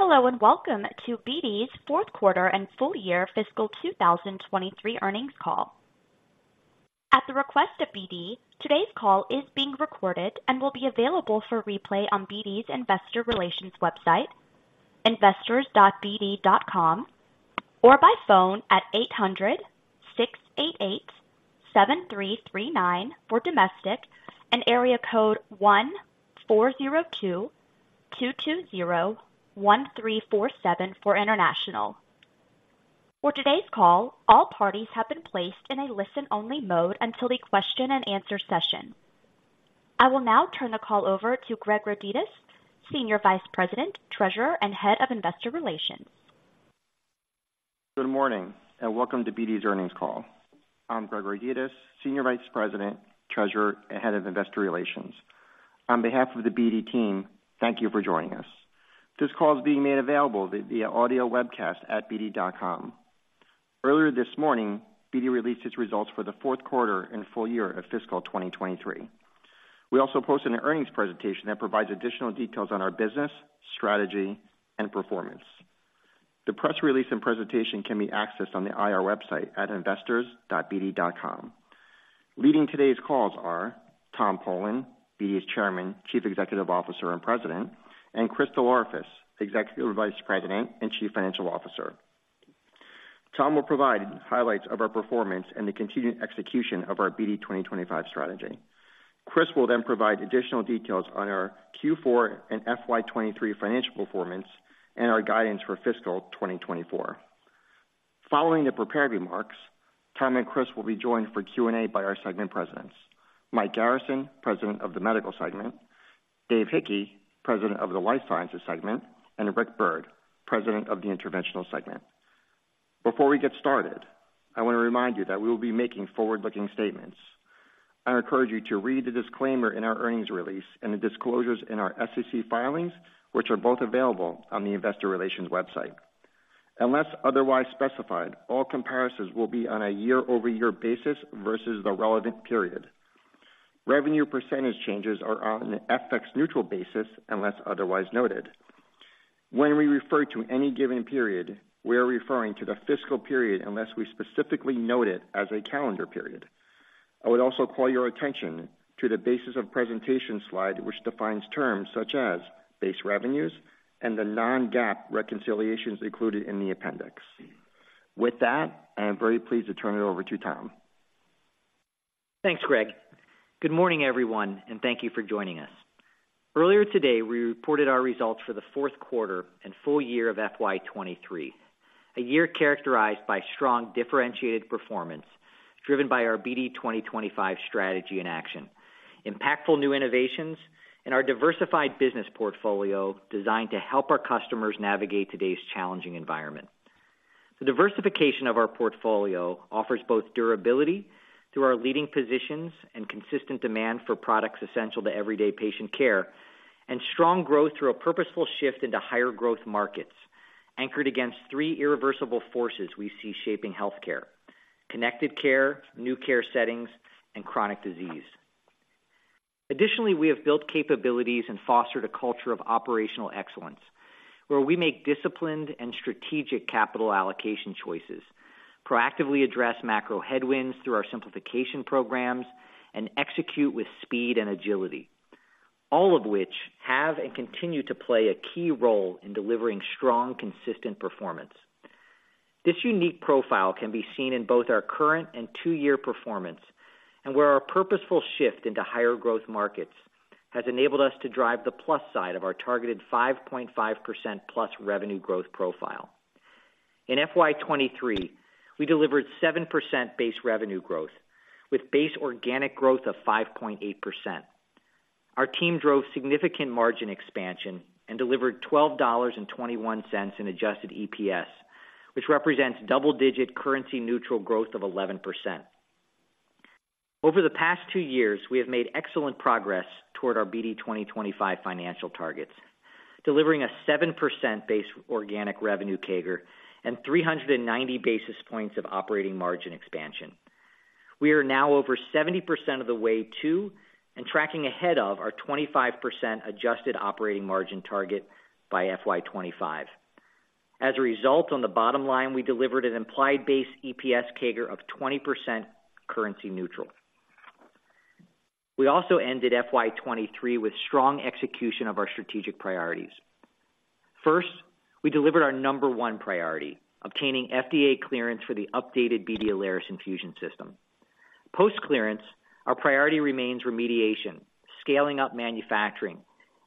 Hello, and welcome to BD's Fourth Quarter and Full Year Fiscal 2023 Earnings Call. At the request of BD, today's call is being recorded and will be available for replay on BD's Investor Relations website, investors.bd.com, or by phone at 800-688-7339 for domestic and area code 1-402-220-1347 for international. For today's call, all parties have been placed in a listen-only mode until the question and answer session. I will now turn the call over to Greg Rodetis, Senior Vice President, Treasurer, and Head of Investor Relations. Good morning, and welcome to BD's earnings call. I'm Greg Rodetis, Senior Vice President, Treasurer, and Head of Investor Relations. On behalf of the BD team, thank you for joining us. This call is being made available via audio webcast at bd.com. Earlier this morning, BD released its results for the fourth quarter and full year of fiscal 2023. We also posted an earnings presentation that provides additional details on our business, strategy, and performance. The press release and presentation can be accessed on the IR website at investors.bd.com. Leading today's calls are Tom Polen, BD's Chairman, Chief Executive Officer, and President, and Chris DelOrefice, Executive Vice President and Chief Financial Officer. Tom will provide highlights of our performance and the continued execution of our BD 2025 strategy. Chris will then provide additional details on our Q4 and FY 2023 financial performance and our guidance for fiscal 2024. Following the prepared remarks, Tom and Chris will be joined for Q&A by our segment presidents, Mike Garrison, President of the Medical segment, Dave Hickey, President of the Life Sciences segment, and Rick Byrd, President of the Interventional segment. Before we get started, I want to remind you that we will be making forward-looking statements. I encourage you to read the disclaimer in our earnings release and the disclosures in our SEC filings, which are both available on the Investor Relations website. Unless otherwise specified, all comparisons will be on a year-over-year basis versus the relevant period. Revenue percentage changes are on an FX-neutral basis, unless otherwise noted. When we refer to any given period, we are referring to the fiscal period, unless we specifically note it as a calendar period. I would also call your attention to the basis of presentation slide, which defines terms such as base revenues and the non-GAAP reconciliations included in the appendix. With that, I am very pleased to turn it over to Tom. Thanks, Greg. Good morning, everyone, and thank you for joining us. Earlier today, we reported our results for the fourth quarter and full year of FY 2023, a year characterized by strong, differentiated performance, driven by our BD 2025 strategy in action, impactful new innovations, and our diversified business portfolio designed to help our customers navigate today's challenging environment. The diversification of our portfolio offers both durability through our leading positions and consistent demand for products essential to everyday patient care, and strong growth through a purposeful shift into higher growth markets, anchored against three irreversible forces we see shaping healthcare: connected care, new care settings, and chronic disease. Additionally, we have built capabilities and fostered a culture of operational excellence, where we make disciplined and strategic capital allocation choices, proactively address macro headwinds through our simplification programs, and execute with speed and agility, all of which have and continue to play a key role in delivering strong, consistent performance. This unique profile can be seen in both our current and two-year performance, and where our purposeful shift into higher growth markets has enabled us to drive the plus side of our targeted 5.5%+ revenue growth profile. In FY 2023, we delivered 7% base revenue growth, with base organic growth of 5.8%. Our team drove significant margin expansion and delivered $12.21 in adjusted EPS, which represents double-digit currency neutral growth of 11%. Over the past two years, we have made excellent progress toward our BD 2025 financial targets, delivering a 7% base organic revenue CAGR and 390 basis points of operating margin expansion. We are now over 70% of the way to and tracking ahead of our 25% adjusted operating margin target by FY 2025. As a result, on the bottom line, we delivered an implied base EPS CAGR of 20% currency neutral. We also ended FY 2023 with strong execution of our strategic priorities. First, we delivered our number one priority, obtaining FDA clearance for the updated BD Alaris infusion system. Post-clearance, our priority remains remediation, scaling up manufacturing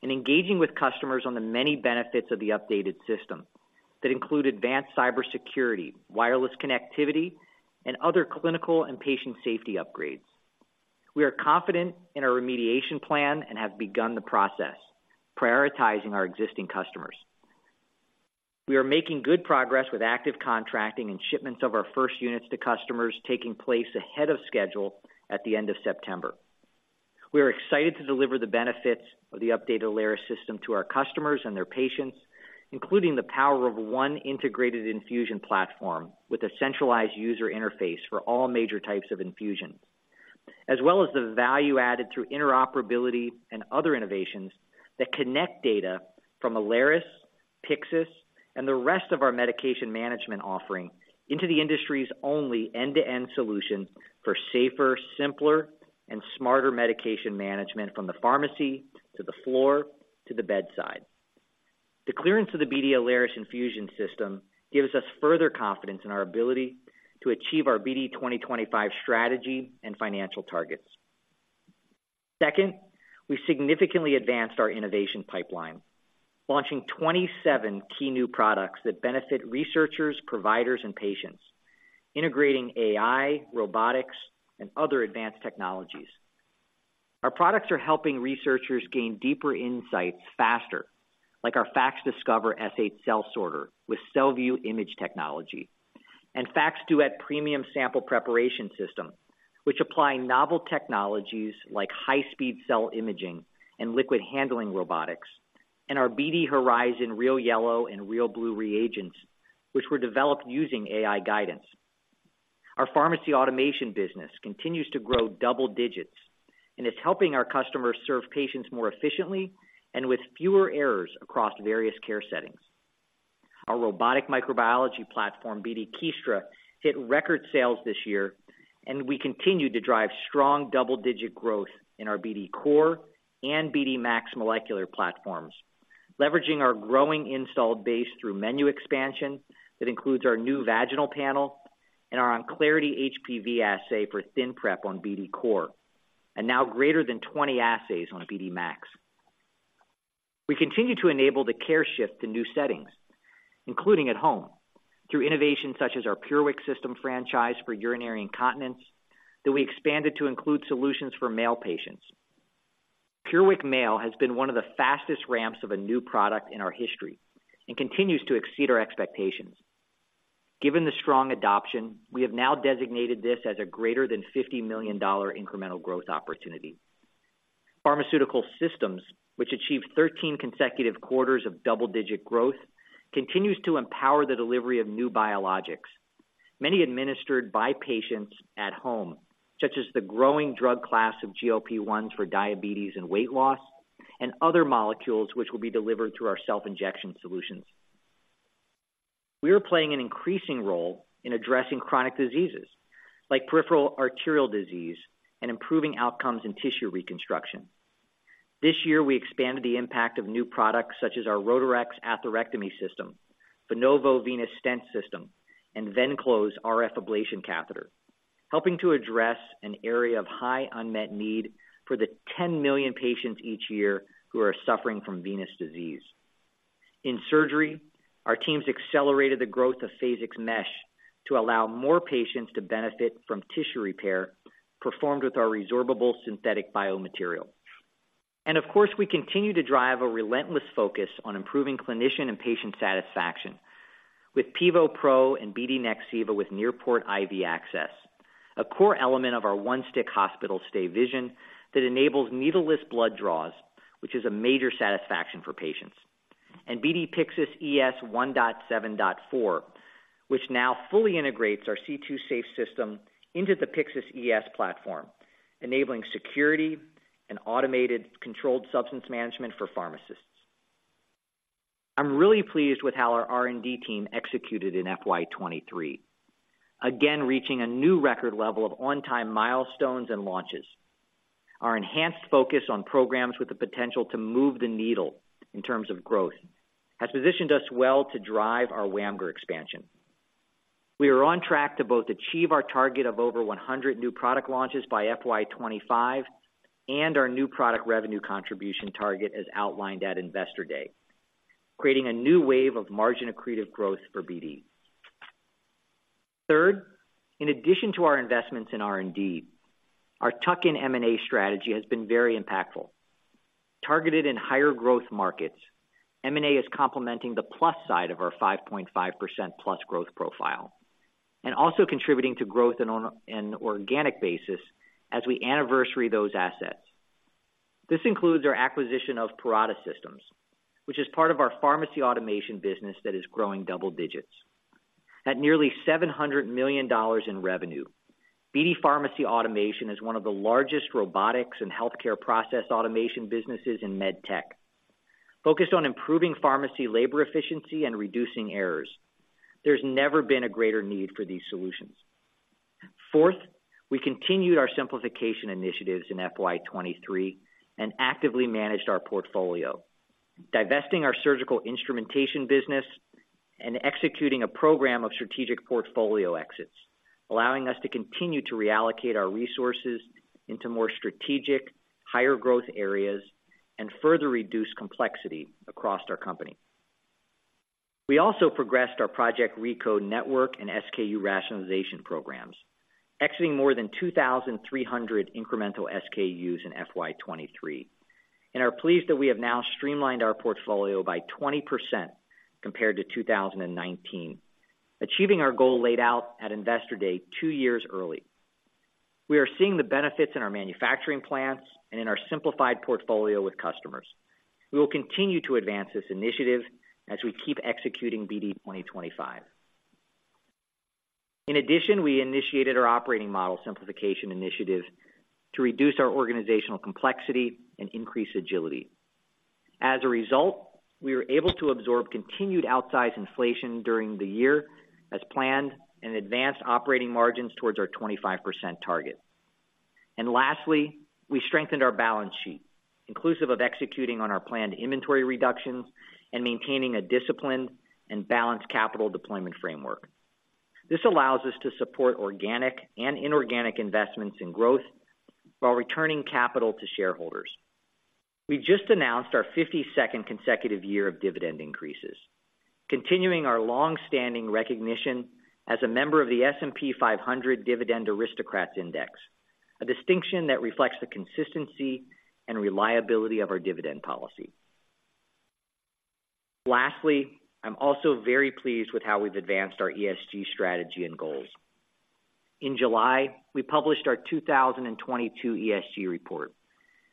and engaging with customers on the many benefits of the updated system that include advanced cybersecurity, wireless connectivity, and other clinical and patient safety upgrades. We are confident in our remediation plan and have begun the process, prioritizing our existing customers. We are making good progress with active contracting and shipments of our first units to customers taking place ahead of schedule at the end of September. We are excited to deliver the benefits of the updated Alaris system to our customers and their patients, including the power of one integrated infusion platform with a centralized user interface for all major types of infusion... as well as the value added through interoperability and other innovations that connect data from Alaris, Pyxis, and the rest of our medication management offering into the industry's only end-to-end solution for safer, simpler, and smarter medication management, from the pharmacy, to the floor, to the bedside. The clearance of the BD Alaris infusion system gives us further confidence in our ability to achieve our BD 2025 strategy and financial targets. Second, we significantly advanced our innovation pipeline, launching 27 key new products that benefit researchers, providers, and patients, integrating AI, robotics, and other advanced technologies. Our products are helping researchers gain deeper insights faster, like our FACSDiscover S8 cell sorter with CellView image technology, and FACSDuet premium sample preparation system, which apply novel technologies like high-speed cell imaging and liquid handling robotics, and our BD Horizon RealYellow and RealBlue reagents, which were developed using AI guidance. Our pharmacy automation business continues to grow double digits and is helping our customers serve patients more efficiently and with fewer errors across various care settings. Our robotic microbiology platform, BD Kiestra, hit record sales this year, and we continue to drive strong double-digit growth in our BD COR and BD MAX molecular platforms, leveraging our growing installed base through menu expansion that includes our new vaginal panel and our Onclarity HPV Assay for ThinPrep on BD COR, and now greater than 20 assays on a BD MAX. We continue to enable the care shift to new settings, including at home, through innovations such as our PureWick system franchise for urinary incontinence that we expanded to include solutions for male patients. PureWick Male has been one of the fastest ramps of a new product in our history and continues to exceed our expectations. Given the strong adoption, we have now designated this as a greater than $50 million incremental growth opportunity. Pharmaceutical systems, which achieved 13 consecutive quarters of double-digit growth, continues to empower the delivery of new biologics, many administered by patients at home, such as the growing drug class of GLP-1s for diabetes and weight loss, and other molecules which will be delivered through our self-injection solutions. We are playing an increasing role in addressing chronic diseases like peripheral arterial disease and improving outcomes in tissue reconstruction. This year, we expanded the impact of new products such as our Rotarex atherectomy system, Venovo venous stent system, and Venclose RF ablation catheter, helping to address an area of high unmet need for the 10 million patients each year who are suffering from venous disease. In Surgery, our teams accelerated the growth of Phasix Mesh to allow more patients to benefit from tissue repair performed with our resorbable synthetic biomaterial. Of course, we continue to drive a relentless focus on improving clinician and patient satisfaction with PIVO Pro and BD Nexiva with NearPort IV access, a core element of our One-Stick Hospital Stay vision that enables needle-less blood draws, which is a major satisfaction for patients. BD Pyxis ES 1.7.4, which now fully integrates our CII Safe system into the Pyxis ES platform, enabling security and automated controlled substance management for pharmacists. I'm really pleased with how our R&D team executed in FY 2023, again, reaching a new record level of on-time milestones and launches. Our enhanced focus on programs with the potential to move the needle in terms of growth has positioned us well to drive our WAMGR expansion. We are on track to both achieve our target of over 100 new product launches by FY 2025 and our new product revenue contribution target, as outlined at Investor Day, creating a new wave of margin accretive growth for BD. Third, in addition to our investments in R&D, our tuck-in M&A strategy has been very impactful. Targeted in higher growth markets, M&A is complementing the plus side of our 5.5%+ growth profile and also contributing to growth on an organic basis as we anniversary those assets. This includes our acquisition of Parata Systems, which is part of our pharmacy automation business that is growing double digits. At nearly $700 million in revenue, BD Pharmacy Automation is one of the largest robotics and healthcare process automation businesses in medtech, focused on improving pharmacy labor efficiency and reducing errors. There's never been a greater need for these solutions. Fourth, we continued our simplification initiatives in FY 2023 and actively managed our portfolio, divesting our surgical instrumentation business and executing a program of strategic portfolio exits, allowing us to continue to reallocate our resources into more strategic, higher growth areas and further reduce complexity across our company. We also progressed our Project ReCode network and SKU rationalization programs, exiting more than 2,300 incremental SKUs in FY 2023, and are pleased that we have now streamlined our portfolio by 20% compared to 2019, achieving our goal laid out at Investor Day 2 years early. We are seeing the benefits in our manufacturing plants and in our simplified portfolio with customers. We will continue to advance this initiative as we keep executing BD 2025.... In addition, we initiated our operating model simplification initiative to reduce our organizational complexity and increase agility. As a result, we were able to absorb continued outsized inflation during the year as planned and advance operating margins towards our 25% target. Lastly, we strengthened our balance sheet, inclusive of executing on our planned inventory reductions and maintaining a disciplined and balanced capital deployment framework. This allows us to support organic and inorganic investments in growth while returning capital to shareholders. We just announced our 52nd consecutive year of dividend increases, continuing our long-standing recognition as a member of the S&P 500 Dividend Aristocrats Index, a distinction that reflects the consistency and reliability of our dividend policy. Lastly, I'm also very pleased with how we've advanced our ESG strategy and goals. In July, we published our 2022 ESG report,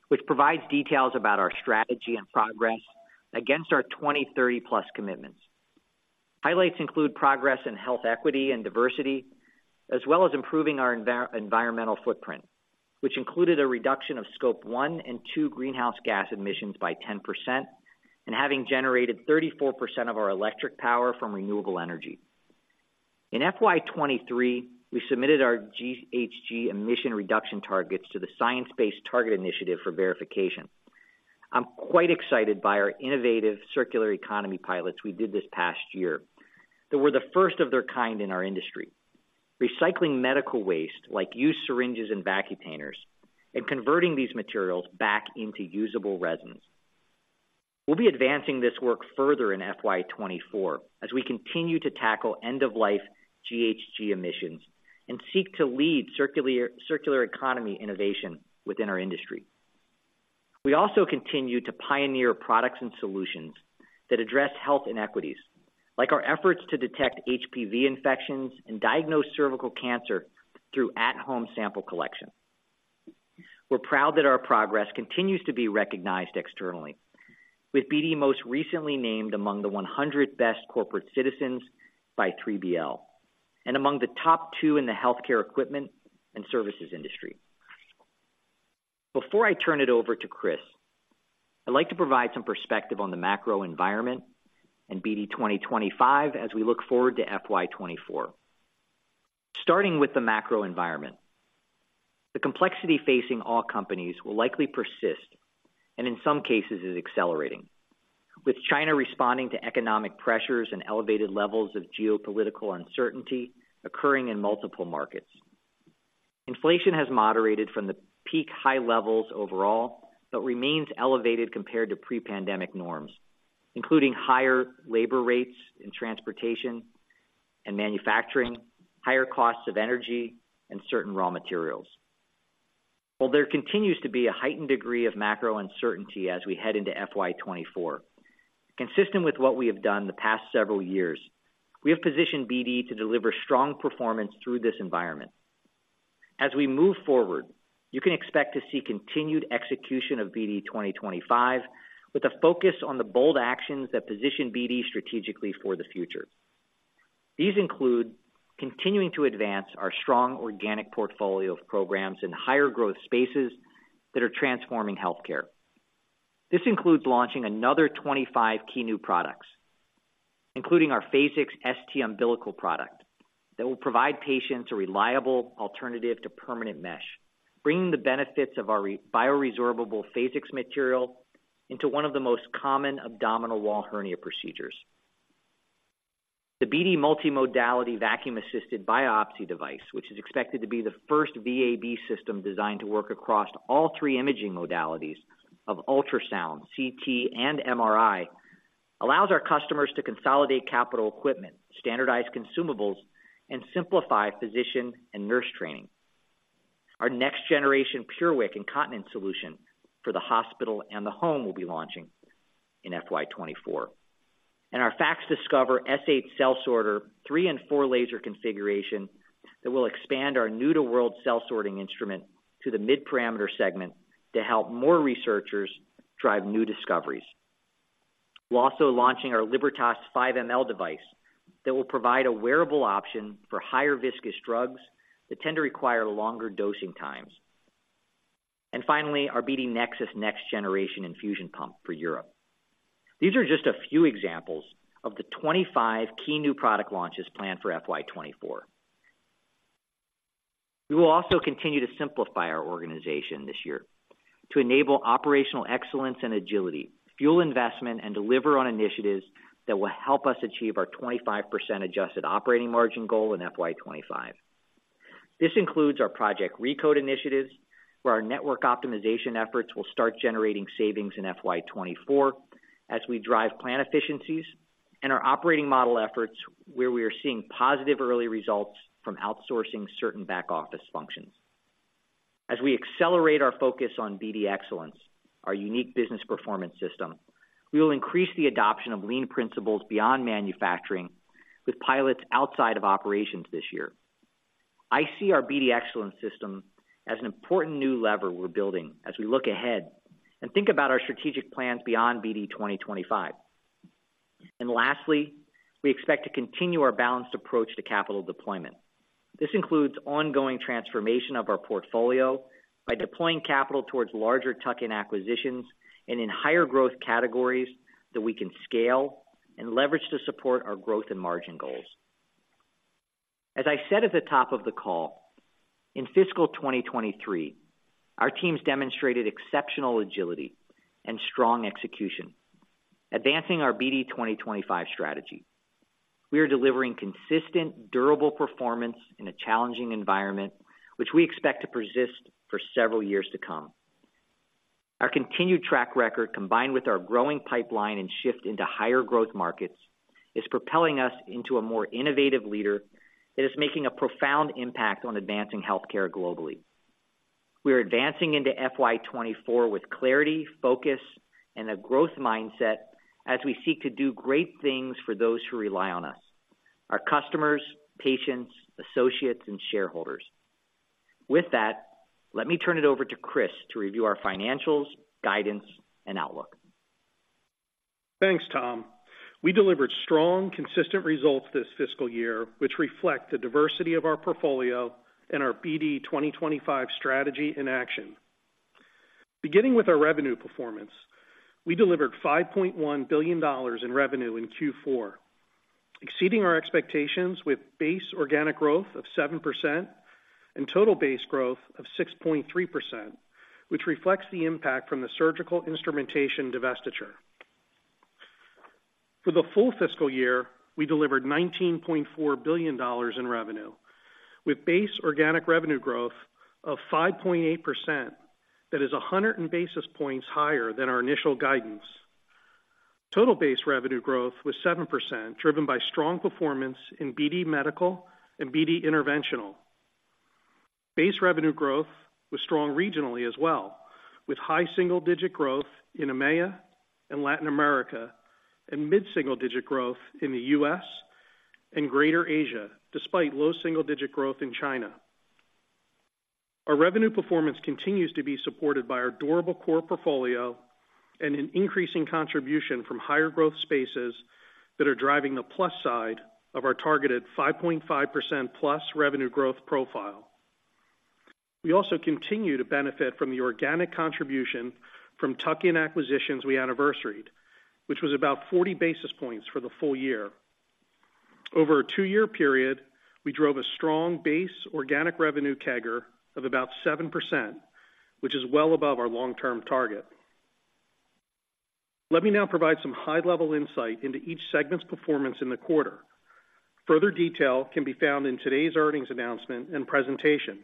which provides details about our strategy and progress against our 2030+ commitments. Highlights include progress in health, equity, and diversity, as well as improving our environmental footprint, which included a reduction of scope one and two greenhouse gas emissions by 10% and having generated 34% of our electric power from renewable energy. In FY 2023, we submitted our GHG emission reduction targets to the Science Based Targets initiative for verification. I'm quite excited by our innovative circular economy pilots we did this past year, that were the first of their kind in our industry, recycling medical waste, like used syringes and Vacutainers, and converting these materials back into usable resins. We'll be advancing this work further in FY 2024 as we continue to tackle end-of-life GHG emissions and seek to lead circular, circular economy innovation within our industry. We also continue to pioneer products and solutions that address health inequities, like our efforts to detect HPV infections and diagnose cervical cancer through at-home sample collection. We're proud that our progress continues to be recognized externally, with BD most recently named among the 100 best corporate citizens by 3BL, and among the top two in the healthcare equipment and services industry. Before I turn it over to Chris, I'd like to provide some perspective on the macro environment and BD 2025 as we look forward to FY 2024. Starting with the macro environment, the complexity facing all companies will likely persist and in some cases is accelerating, with China responding to economic pressures and elevated levels of geopolitical uncertainty occurring in multiple markets. Inflation has moderated from the peak high levels overall, but remains elevated compared to pre-pandemic norms, including higher labor rates in transportation and manufacturing, higher costs of energy and certain raw materials. While there continues to be a heightened degree of macro uncertainty as we head into FY 2024, consistent with what we have done in the past several years, we have positioned BD to deliver strong performance through this environment. As we move forward, you can expect to see continued execution of BD 2025, with a focus on the bold actions that position BD strategically for the future. These include continuing to advance our strong organic portfolio of programs in higher growth spaces that are transforming healthcare. This includes launching another 25 key new products, including our Phasix ST umbilical product, that will provide patients a reliable alternative to permanent mesh, bringing the benefits of our bioresorbable Phasix material into one of the most common abdominal wall hernia procedures. The BD Multimodality Vacuum-Assisted Biopsy device, which is expected to be the first VAB system designed to work across all three imaging modalities of ultrasound, CT, and MRI, allows our customers to consolidate capital equipment, standardize consumables, and simplify physician and nurse training. Our next generation PureWick incontinence solution for the hospital and the home will be launching in FY 2024, and our FACSDiscover S8 Cell Sorter, 3 and 4 laser configuration that will expand our new to world cell sorting instrument to the mid-parameter segment to help more researchers drive new discoveries. We're also launching our Libertas 5 mL device that will provide a wearable option for higher-viscosity drugs that tend to require longer dosing times. Finally, our BD neXus next generation infusion pump for Europe. These are just a few examples of the 25 key new product launches planned for FY 2024. We will also continue to simplify our organization this year to enable operational excellence and agility, fuel investment, and deliver on initiatives that will help us achieve our 25% adjusted operating margin goal in FY 2025. This includes our Project ReCode initiatives, where our network optimization efforts will start generating savings in FY 2024 as we drive plan efficiencies and our operating model efforts, where we are seeing positive early results from outsourcing certain back-office functions. As we accelerate our focus on BD Excellence, our unique business performance system, we will increase the adoption of lean principles beyond manufacturing, with pilots outside of operations this year.... I see our BD Excellence system as an important new lever we're building as we look ahead and think about our strategic plans beyond BD 2025. And lastly, we expect to continue our balanced approach to capital deployment. This includes ongoing transformation of our portfolio by deploying capital towards larger tuck-in acquisitions and in higher growth categories that we can scale and leverage to support our growth and margin goals. As I said at the top of the call, in fiscal 2023, our teams demonstrated exceptional agility and strong execution, advancing our BD 2025 strategy. We are delivering consistent, durable performance in a challenging environment, which we expect to persist for several years to come. Our continued track record, combined with our growing pipeline and shift into higher growth markets, is propelling us into a more innovative leader that is making a profound impact on advancing healthcare globally. We are advancing into FY 2024 with clarity, focus, and a growth mindset as we seek to do great things for those who rely on us, our customers, patients, associates, and shareholders. With that, let me turn it over to Chris to review our financials, guidance, and outlook. Thanks, Tom. We delivered strong, consistent results this fiscal year, which reflect the diversity of our portfolio and our BD 2025 strategy in action. Beginning with our revenue performance, we delivered $5.1 billion in revenue in Q4, exceeding our expectations with base organic growth of 7% and total base growth of 6.3%, which reflects the impact from the surgical instrumentation divestiture. For the full fiscal year, we delivered $19.4 billion in revenue, with base organic revenue growth of 5.8%. That is 100 basis points higher than our initial guidance. Total base revenue growth was 7%, driven by strong performance in BD Medical and BD Interventional. Base revenue growth was strong regionally as well, with high single-digit growth in EMEA and Latin America, and mid-single digit growth in the U.S. and Greater Asia, despite low single-digit growth in China. Our revenue performance continues to be supported by our durable core portfolio and an increasing contribution from higher growth spaces that are driving the plus side of our targeted 5.5%+ revenue growth profile. We also continue to benefit from the organic contribution from tuck-in acquisitions we anniversaried, which was about 40 basis points for the full year. Over a 2-year period, we drove a strong base organic revenue CAGR of about 7%, which is well above our long-term target. Let me now provide some high-level insight into each segment's performance in the quarter. Further detail can be found in today's earnings announcement and presentation.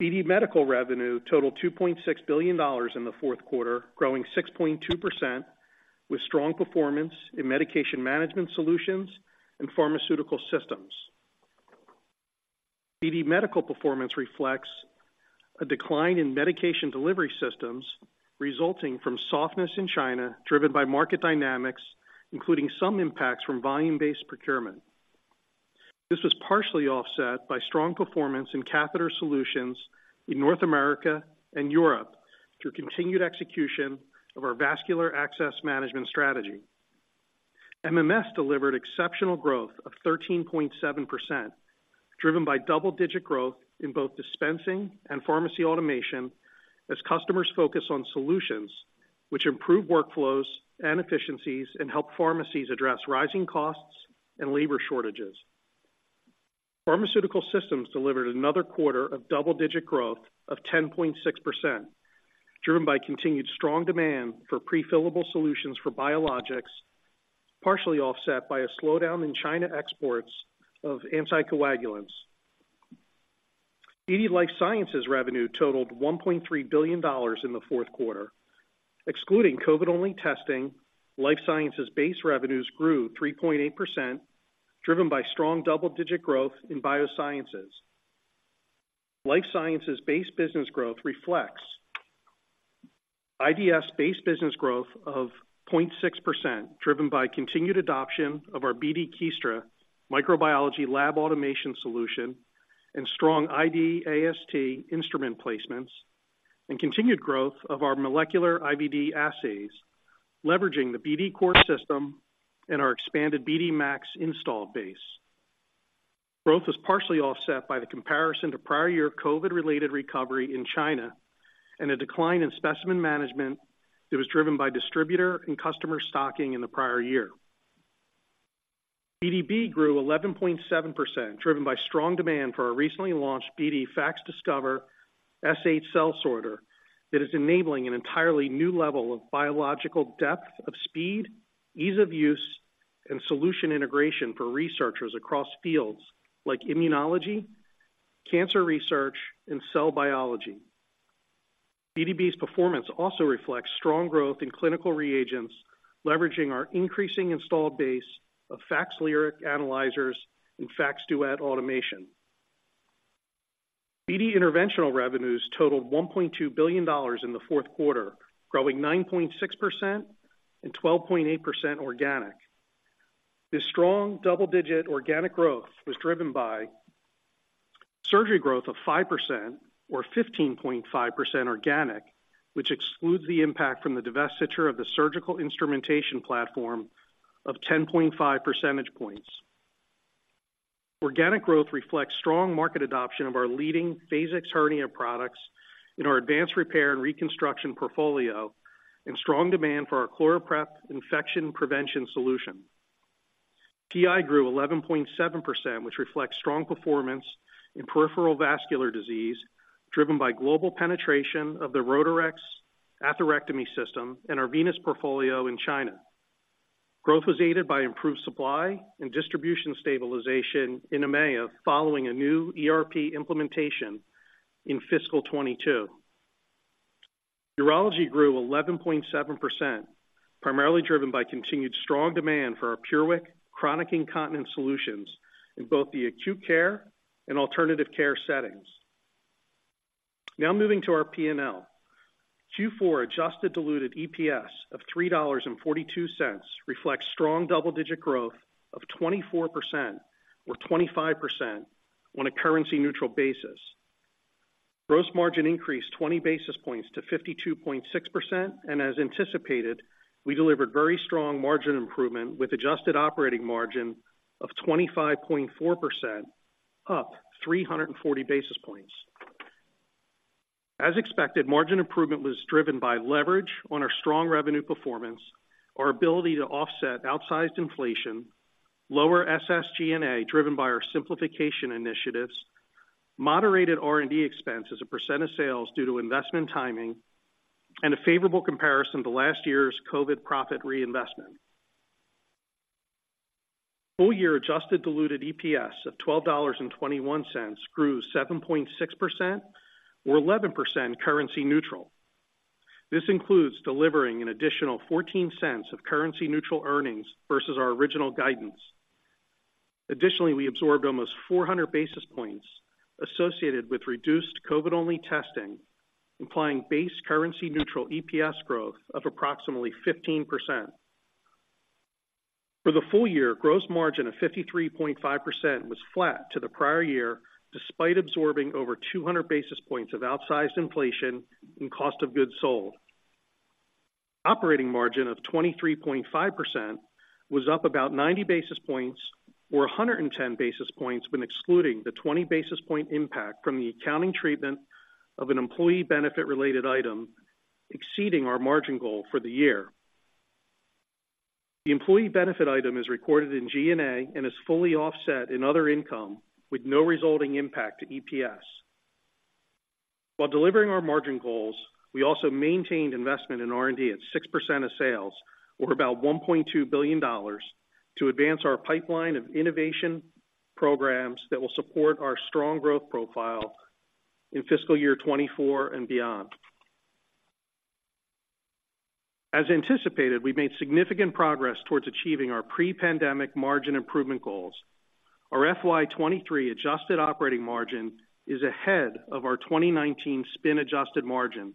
BD Medical revenue totaled $2.6 billion in the fourth quarter, growing 6.2%, with strong performance in medication management solutions and pharmaceutical systems. BD Medical performance reflects a decline in medication delivery systems resulting from softness in China, driven by market dynamics, including some impacts from volume-based procurement. This was partially offset by strong performance in catheter solutions in North America and Europe, through continued execution of our vascular access management strategy. MMS delivered exceptional growth of 13.7%, driven by double-digit growth in both dispensing and pharmacy automation, as customers focus on solutions which improve workflows and efficiencies and help pharmacies address rising costs and labor shortages. Pharmaceutical systems delivered another quarter of double-digit growth of 10.6%, driven by continued strong demand for prefillable solutions for biologics, partially offset by a slowdown in China exports of anticoagulants. BD Life Sciences revenue totaled $1.3 billion in the fourth quarter. Excluding COVID-only testing, Life Sciences base revenues grew 3.8%, driven by strong double-digit growth in Biosciences. Life Sciences base business growth reflects IDS base business growth of 0.6%, driven by continued adoption of our BD Kiestra microbiology lab automation solution and strong ID AST instrument placements and continued growth of our molecular IVD Assays, leveraging the BD COR system and our expanded BD MAX installed base. Growth was partially offset by the comparison to prior year COVID-related recovery in China and a decline in specimen management that was driven by distributor and customer stocking in the prior year. BD grew 11.7%, driven by strong demand for our recently launched BD FACSDiscover S8 cell sorter that is enabling an entirely new level of biological depth of speed, ease of use, and solution integration for researchers across fields like immunology, cancer research, and cell biology. BD's performance also reflects strong growth in clinical reagents, leveraging our increasing installed base of FACSLyric analyzers and FACSDuet automation. BD Interventional revenues totaled $1.2 billion in the fourth quarter, growing 9.6% and 12.8% organic. This strong double-digit organic growth was driven by Surgery growth of 5% or 15.5% organic, which excludes the impact from the divestiture of the surgical instrumentation platform of 10.5 percentage points. Organic growth reflects strong market adoption of our leading Phasix hernia products in our advanced repair and reconstruction portfolio, and strong demand for our ChloraPrep infection prevention solution. PI grew 11.7%, which reflects strong performance in peripheral vascular disease, driven by global penetration of the Rotarex atherectomy system and our venous portfolio in China. Growth was aided by improved supply and distribution stabilization in EMEA, following a new ERP implementation in fiscal 2022. Urology grew 11.7%, primarily driven by continued strong demand for our PureWick chronic incontinence solutions in both the acute care and alternative care settings. Now moving to our P&L. Q4 adjusted diluted EPS of $3.42 reflects strong double-digit growth of 24% or 25% on a currency neutral basis. Gross margin increased 20 basis points to 52.6%, and as anticipated, we delivered very strong margin improvement, with adjusted operating margin of 25.4%, up 340 basis points. As expected, margin improvement was driven by leverage on our strong revenue performance, our ability to offset outsized inflation, lower SSG&A, driven by our simplification initiatives, moderated R&D expense as a percent of sales due to investment timing, and a favorable comparison to last year's COVID profit reinvestment. Full year adjusted diluted EPS of $12.21 grew 7.6% or 11% currency neutral. This includes delivering an additional $0.14 of currency neutral earnings versus our original guidance. Additionally, we absorbed almost 400 basis points associated with reduced COVID-only testing, implying base currency neutral EPS growth of approximately 15%. For the full year, gross margin of 53.5% was flat to the prior year, despite absorbing over 200 basis points of outsized inflation and cost of goods sold. Operating margin of 23.5% was up about 90 basis points, or 110 basis points, when excluding the 20 basis point impact from the accounting treatment of an employee benefit-related item, exceeding our margin goal for the year. The employee benefit item is recorded in G&A and is fully offset in other income, with no resulting impact to EPS. While delivering our margin goals, we also maintained investment in R&D at 6% of sales, or about $1.2 billion, to advance our pipeline of innovation programs that will support our strong growth profile in fiscal year 2024 and beyond. As anticipated, we've made significant progress towards achieving our pre-pandemic margin improvement goals. Our FY 2023 adjusted operating margin is ahead of our 2019 spin adjusted margin,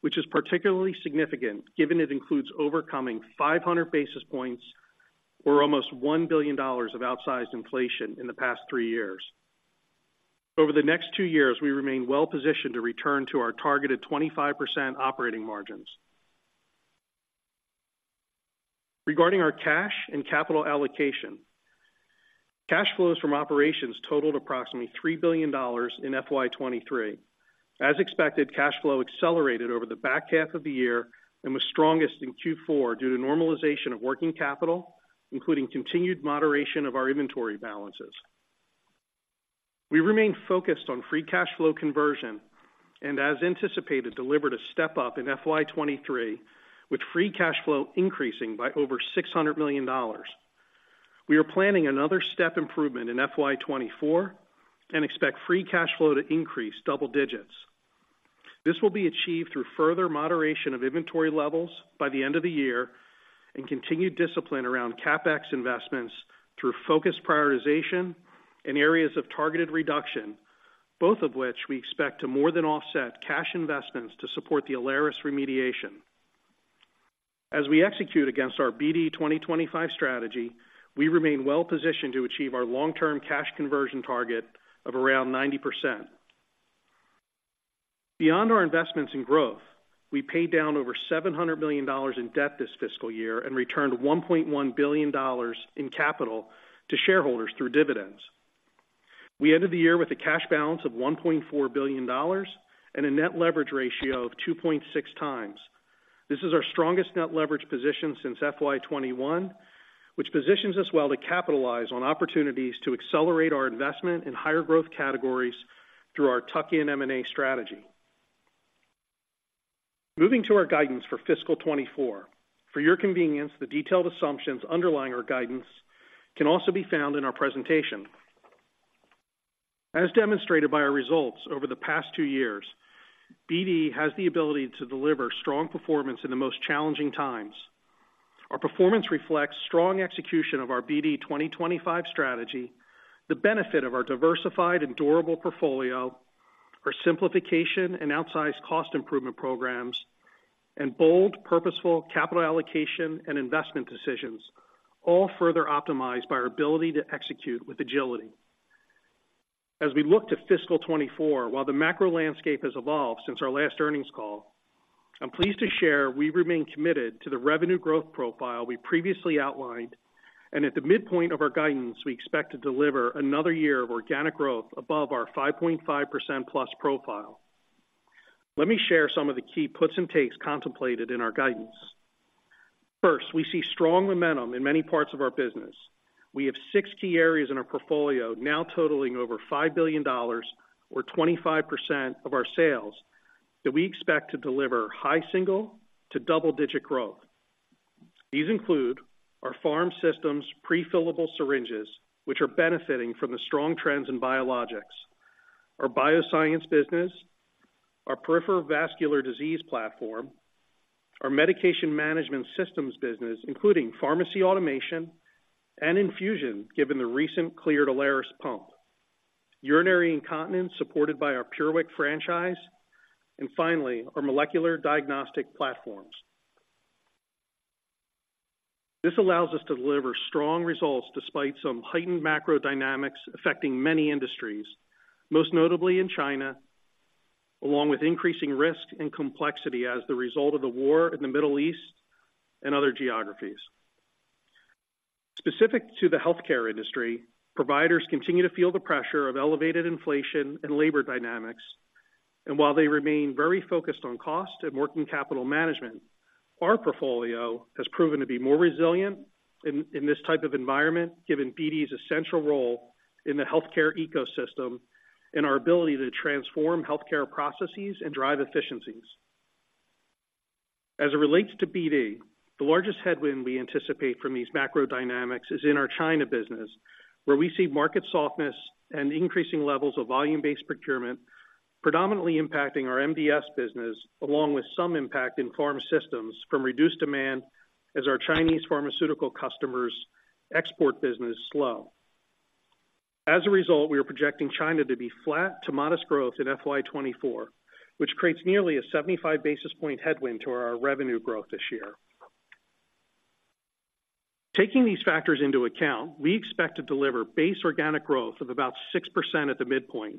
which is particularly significant, given it includes overcoming 500 basis points or almost $1 billion of outsized inflation in the past three years. Over the next two years, we remain well positioned to return to our targeted 25% operating margins. Regarding our cash and capital allocation, cash flows from operations totaled approximately $3 billion in FY 2023. As expected, cash flow accelerated over the back half of the year and was strongest in Q4 due to normalization of working capital, including continued moderation of our inventory balances. We remain focused on free cash flow conversion and, as anticipated, delivered a step-up in FY 2023, with free cash flow increasing by over $600 million. We are planning another step improvement in FY 2024 and expect free cash flow to increase double digits. This will be achieved through further moderation of inventory levels by the end of the year and continued discipline around CapEx investments through focused prioritization and areas of targeted reduction, both of which we expect to more than offset cash investments to support the Alaris remediation. As we execute against our BD 2025 strategy, we remain well positioned to achieve our long-term cash conversion target of around 90%. Beyond our investments in growth, we paid down over $700 million in debt this fiscal year and returned $1.1 billion in capital to shareholders through dividends. We ended the year with a cash balance of $1.4 billion and a net leverage ratio of 2.6x. This is our strongest net leverage position since FY 2021, which positions us well to capitalize on opportunities to accelerate our investment in higher growth categories through our tuck-in M&A strategy. Moving to our guidance for fiscal 2024. For your convenience, the detailed assumptions underlying our guidance can also be found in our presentation. As demonstrated by our results over the past two years, BD has the ability to deliver strong performance in the most challenging times. Our performance reflects strong execution of our BD 2025 strategy, the benefit of our diversified and durable portfolio, our simplification and outsized cost improvement programs, and bold, purposeful capital allocation and investment decisions, all further optimized by our ability to execute with agility. As we look to fiscal 2024, while the macro landscape has evolved since our last earnings call, I'm pleased to share we remain committed to the revenue growth profile we previously outlined, and at the midpoint of our guidance, we expect to deliver another year of organic growth above our 5.5%+ profile. Let me share some of the key puts and takes contemplated in our guidance. First, we see strong momentum in many parts of our business. We have six key areas in our portfolio, now totaling over $5 billion or 25% of our sales, that we expect to deliver high single- to double-digit growth. These include our IV systems, pre-fillable syringes, which are benefiting from the strong trends in biologics, our bioscience business, our peripheral vascular disease platform, our medication management systems business, including pharmacy automation and infusion, given the recent clearance Alaris pump, urinary incontinence, supported by our PureWick franchise, and finally, our molecular diagnostic platforms. This allows us to deliver strong results despite some heightened macro dynamics affecting many industries, most notably in China, along with increasing risk and complexity as the result of the war in the Middle East and other geographies. Specific to the healthcare industry, providers continue to feel the pressure of elevated inflation and labor dynamics, and while they remain very focused on cost and working capital management, our portfolio has proven to be more resilient in this type of environment, given BD's essential role in the healthcare ecosystem and our ability to transform healthcare processes and drive efficiencies. As it relates to BD, the largest headwind we anticipate from these macro dynamics is in our China business, where we see market softness and increasing levels of volume-based procurement predominantly impacting our MDS business, along with some impact in Pharm Systems from reduced demand as our Chinese pharmaceutical customers' export business slow. As a result, we are projecting China to be flat to modest growth in FY 2024, which creates nearly a 75 basis point headwind to our revenue growth this year. Taking these factors into account, we expect to deliver base organic growth of about 6% at the midpoint,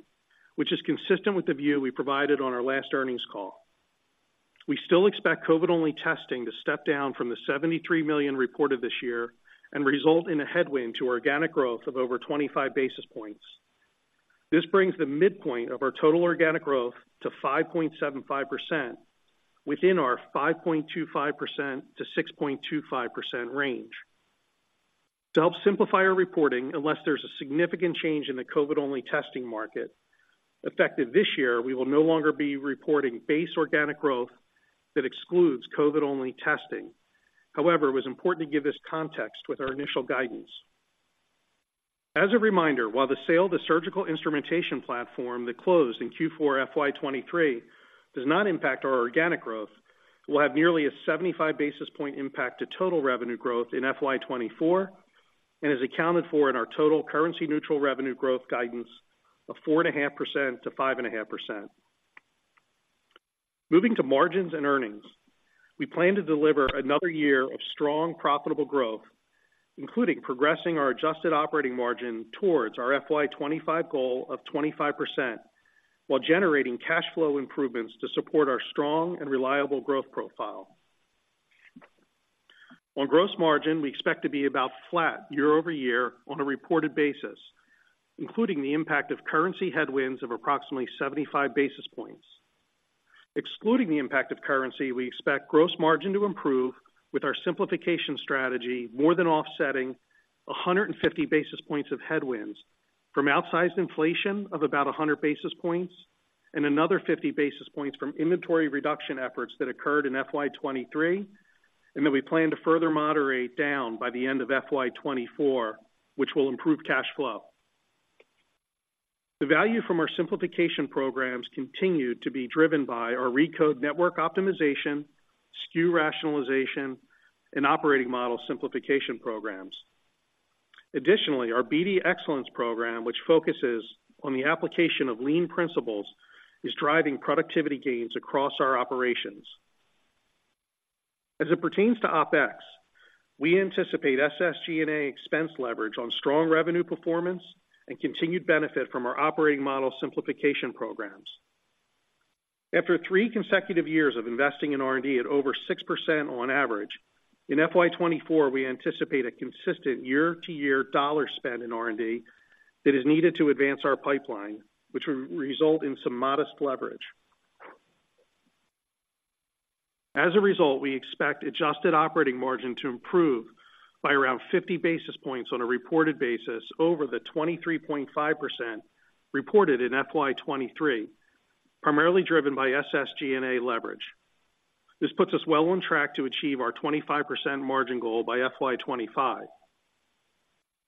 which is consistent with the view we provided on our last earnings call. We still expect COVID-only testing to step down from the $73 million reported this year and result in a headwind to organic growth of over 25 basis points. This brings the midpoint of our total organic growth to 5.75% within our 5.25%-6.25% range. To help simplify our reporting, unless there's a significant change in the COVID-only testing market, effective this year, we will no longer be reporting base organic growth that excludes COVID-only testing. However, it was important to give this context with our initial guidance. As a reminder, while the sale of the surgical instrumentation platform that closed in Q4 FY 2023 does not impact our organic growth, we'll have nearly a 75 basis point impact to total revenue growth in FY 2024 and is accounted for in our total currency neutral revenue growth guidance of 4.5%-5.5%. Moving to margins and earnings, we plan to deliver another year of strong, profitable growth, including progressing our adjusted operating margin towards our FY 2025 goal of 25%, while generating cash flow improvements to support our strong and reliable growth profile. On gross margin, we expect to be about flat year-over-year on a reported basis, including the impact of currency headwinds of approximately 75 basis points. Excluding the impact of currency, we expect gross margin to improve with our simplification strategy, more than offsetting 150 basis points of headwinds from outsized inflation of about 100 basis points and another 50 basis points from inventory reduction efforts that occurred in FY 2023, and that we plan to further moderate down by the end of FY 2024, which will improve cash flow. The value from our simplification programs continued to be driven by our ReCode network optimization, SKU rationalization, and operating model simplification programs. Additionally, our BD Excellence program, which focuses on the application of lean principles, is driving productivity gains across our operations. As it pertains to OpEx, we anticipate SSG&A expense leverage on strong revenue performance and continued benefit from our operating model simplification programs. After three consecutive years of investing in R&D at over 6% on average, in FY 2024, we anticipate a consistent year-to-year dollar spend in R&D that is needed to advance our pipeline, which would result in some modest leverage. As a result, we expect adjusted operating margin to improve by around 50 basis points on a reported basis over the 23.5% reported in FY 2023, primarily driven by SSG&A leverage. This puts us well on track to achieve our 25% margin goal by FY 2025.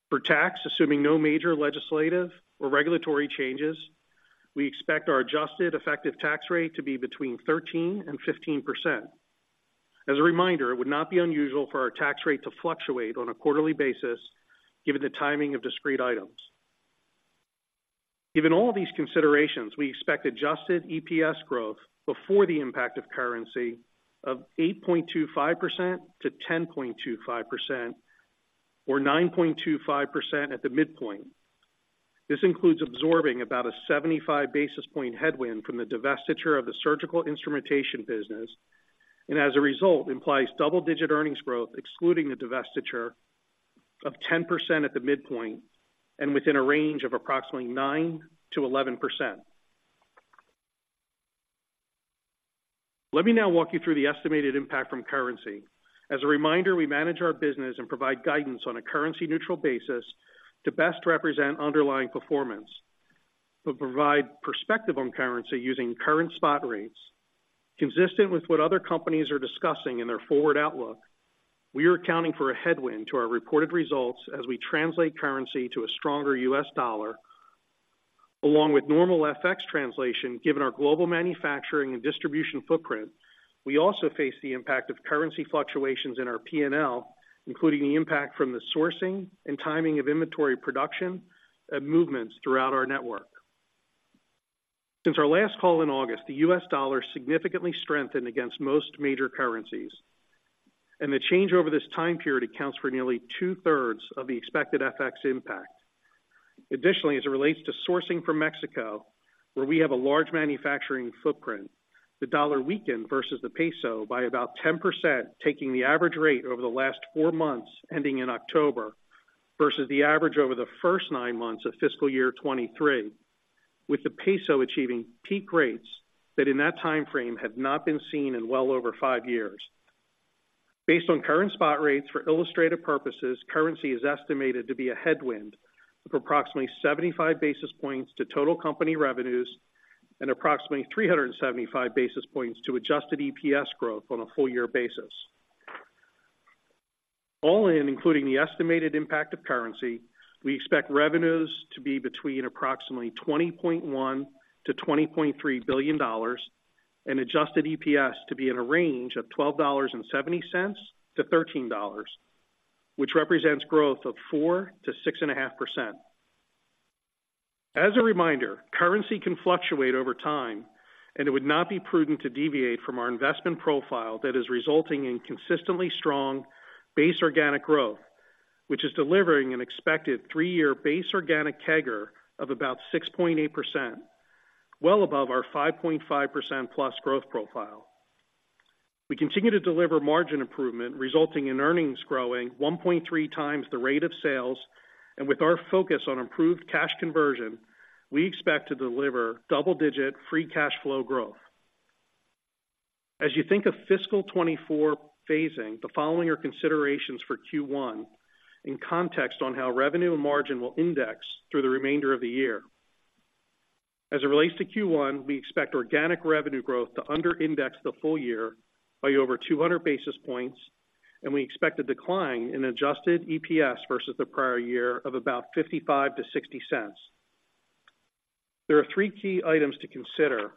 For tax, assuming no major legislative or regulatory changes, we expect our adjusted effective tax rate to be between 13% and 15%. As a reminder, it would not be unusual for our tax rate to fluctuate on a quarterly basis, given the timing of discrete items. Given all these considerations, we expect adjusted EPS growth before the impact of currency of 8.25% to 10.25%, or 9.25% at the midpoint. This includes absorbing about a 75 basis point headwind from the divestiture of the surgical instrumentation business, and as a result, implies double-digit earnings growth, excluding the divestiture of 10% at the midpoint and within a range of approximately 9%-11%. Let me now walk you through the estimated impact from currency. As a reminder, we manage our business and provide guidance on a currency-neutral basis to best represent underlying performance, but provide perspective on currency using current spot rates. Consistent with what other companies are discussing in their forward outlook, we are accounting for a headwind to our reported results as we translate currency to a stronger U.S. dollar, along with normal FX translation. Given our global manufacturing and distribution footprint, we also face the impact of currency fluctuations in our P&L, including the impact from the sourcing and timing of inventory production and movements throughout our network. Since our last call in August, the U.S. dollar significantly strengthened against most major currencies, and the change over this time period accounts for nearly two-thirds of the expected FX impact. Additionally, as it relates to sourcing from Mexico, where we have a large manufacturing footprint, the dollar weakened versus the peso by about 10%, taking the average rate over the last four months, ending in October, versus the average over the first nine months of fiscal year 2023, with the peso achieving peak rates that in that time frame, have not been seen in well over five years. Based on current spot rates, for illustrative purposes, currency is estimated to be a headwind of approximately 75 basis points to total company revenues and approximately 375 basis points to adjusted EPS growth on a full year basis. All in, including the estimated impact of currency, we expect revenues to be between approximately $20.1 billion-$20.3 billion, and adjusted EPS to be in a range of $12.70-$13, which represents growth of 4%-6.5%. As a reminder, currency can fluctuate over time, and it would not be prudent to deviate from our investment profile that is resulting in consistently strong base organic growth, which is delivering an expected 3-year base organic CAGR of about 6.8%, well above our 5.5%+ growth profile. We continue to deliver margin improvement, resulting in earnings growing 1.3x the rate of sales, and with our focus on improved cash conversion, we expect to deliver double-digit free cash flow growth. As you think of fiscal 2024 phasing, the following are considerations for Q1 in context on how revenue and margin will index through the remainder of the year. As it relates to Q1, we expect organic revenue growth to under index the full year by over 200 basis points, and we expect a decline in adjusted EPS versus the prior year of about $0.55-$0.60. There are three key items to consider.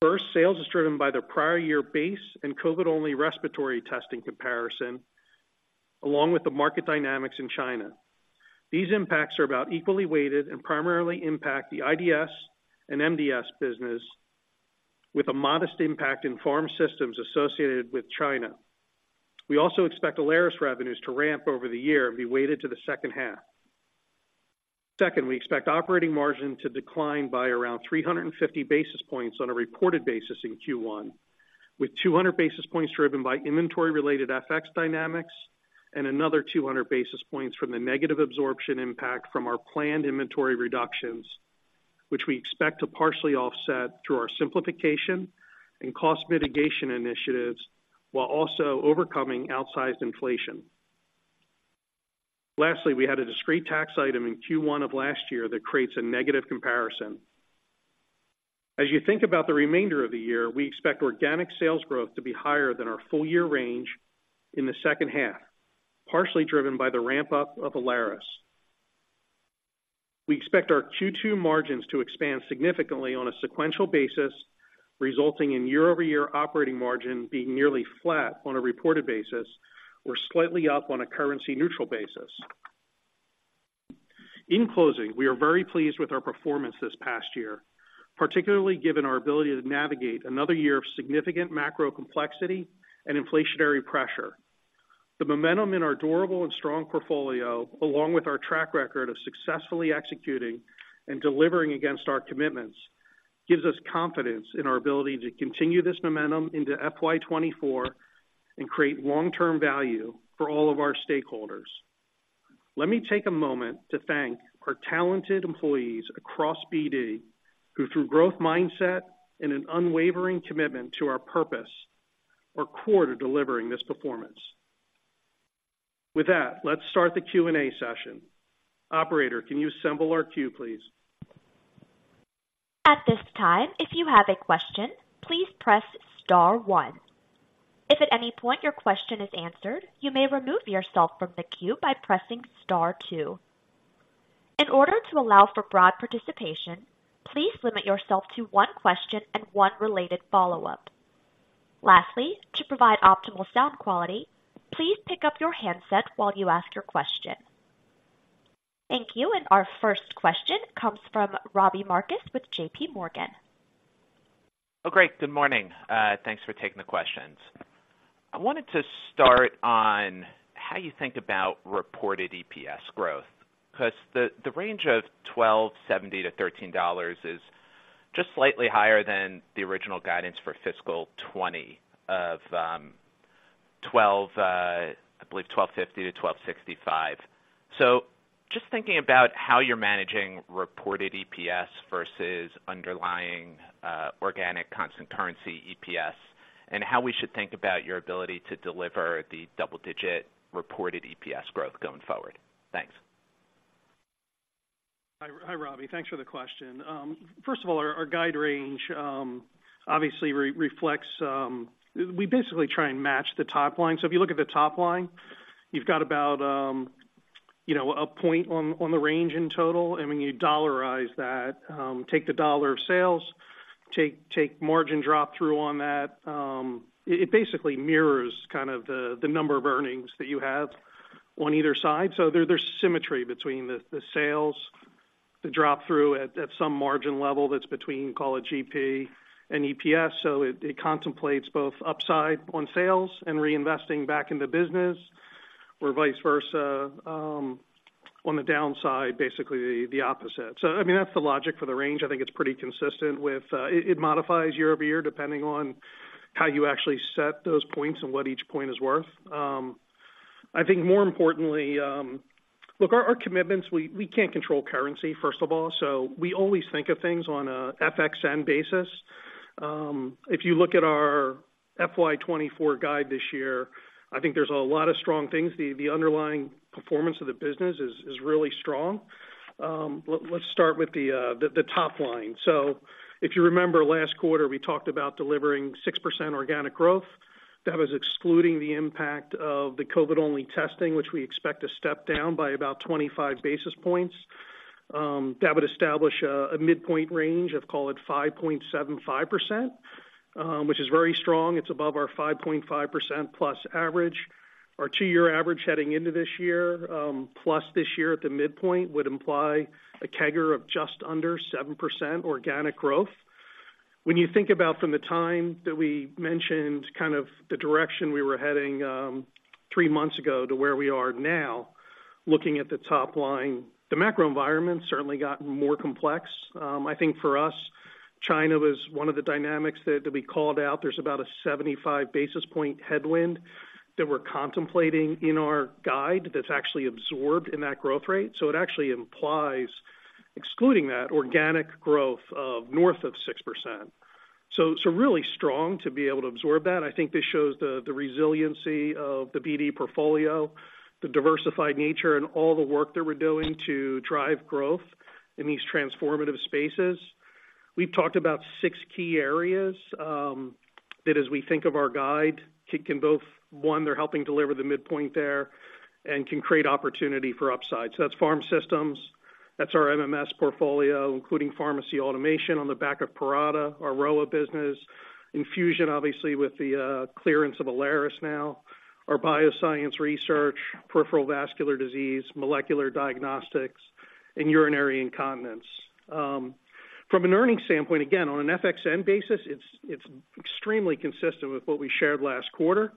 First, sales is driven by the prior year base and COVID-only respiratory testing comparison, along with the market dynamics in China. These impacts are about equally weighted and primarily impact the IDS and MDS business, with a modest impact in Pharm Systems associated with China. We also expect Alaris revenues to ramp over the year and be weighted to the second half. Second, we expect operating margin to decline by around 350 basis points on a reported basis in Q1, with 200 basis points driven by inventory-related FX dynamics and another 200 basis points from the negative absorption impact from our planned inventory reductions, which we expect to partially offset through our simplification and cost mitigation initiatives, while also overcoming outsized inflation. Lastly, we had a discrete tax item in Q1 of last year that creates a negative comparison. As you think about the remainder of the year, we expect organic sales growth to be higher than our full year range in the second half, partially driven by the ramp-up of Alaris. We expect our Q2 margins to expand significantly on a sequential basis, resulting in year-over-year operating margin being nearly flat on a reported basis or slightly up on a currency neutral basis. In closing, we are very pleased with our performance this past year, particularly given our ability to navigate another year of significant macro complexity and inflationary pressure. The momentum in our durable and strong portfolio, along with our track record of successfully executing and delivering against our commitments, gives us confidence in our ability to continue this momentum into FY 2024 and create long-term value for all of our stakeholders. Let me take a moment to thank our talented employees across BD, who through growth mindset and an unwavering commitment to our purpose, are core to delivering this performance. With that, let's start the Q&A session. Operator, can you assemble our queue, please? At this time, if you have a question, please press star one. If at any point your question is answered, you may remove yourself from the queue by pressing star two. In order to allow for broad participation, please limit yourself to one question and one related follow-up. Lastly, to provide optimal sound quality, please pick up your handset while you ask your question. Thank you. Our first question comes from Robbie Marcus with JPMorgan. Oh, great. Good morning. Thanks for taking the questions. I wanted to start on how you think about reported EPS growth, because the, the range of $12.70-$13 is just slightly higher than the original guidance for fiscal 2020 of, I believe $12.50-$12.65. So just thinking about how you're managing reported EPS versus underlying, organic constant currency EPS, and how we should think about your ability to deliver the double digit reported EPS growth going forward? Thanks. Hi, Robbie. Thanks for the question. First of all, our guide range obviously reflects. We basically try and match the top line. So if you look at the top line, you've got about, you know, a point on the range in total, and when you dollarize that, take the dollar of sales, take margin drop through on that, it basically mirrors kind of the number of earnings that you have on either side. So there's symmetry between the sales, the drop through at some margin level that's between, call it GP and EPS. So it contemplates both upside on sales and reinvesting back in the business, or vice versa, on the downside, basically the opposite. So I mean, that's the logic for the range. I think it's pretty consistent with it modifies year over year, depending on how you actually set those points and what each point is worth. I think more importantly, look, our commitments, we can't control currency, first of all, so we always think of things on a FXN basis. If you look at our FY 2024 guide this year, I think there's a lot of strong things. The underlying performance of the business is really strong. Let's start with the top line. So if you remember last quarter, we talked about delivering 6% organic growth. That was excluding the impact of the COVID-only testing, which we expect to step down by about 25 basis points. That would establish a midpoint range of, call it 5.75%, which is very strong. It's above our 5.5%+ average. Our two-year average heading into this year, plus this year at the midpoint, would imply a CAGR of just under 7% organic growth. When you think about from the time that we mentioned kind of the direction we were heading, three months ago to where we are now, looking at the top line, the macro environment's certainly gotten more complex. I think for us, China was one of the dynamics that we called out. There's about a 75 basis point headwind that we're contemplating in our guide that's actually absorbed in that growth rate. So it actually implies excluding that organic growth of north of 6%. So, so really strong to be able to absorb that. I think this shows the resiliency of the BD portfolio, the diversified nature and all the work that we're doing to drive growth in these transformative spaces. We've talked about six key areas that as we think of our guide, can both, one, they're helping deliver the midpoint there and can create opportunity for upside. So that's Pharm Systems, that's our MMS portfolio, including pharmacy automation on the back of Parata, our Rowa business, infusion, obviously, with the clearance of Alaris now, our bioscience research, peripheral vascular disease, molecular diagnostics, and urinary incontinence. From an earnings standpoint, again, on an FXN basis, it's extremely consistent with what we shared last quarter.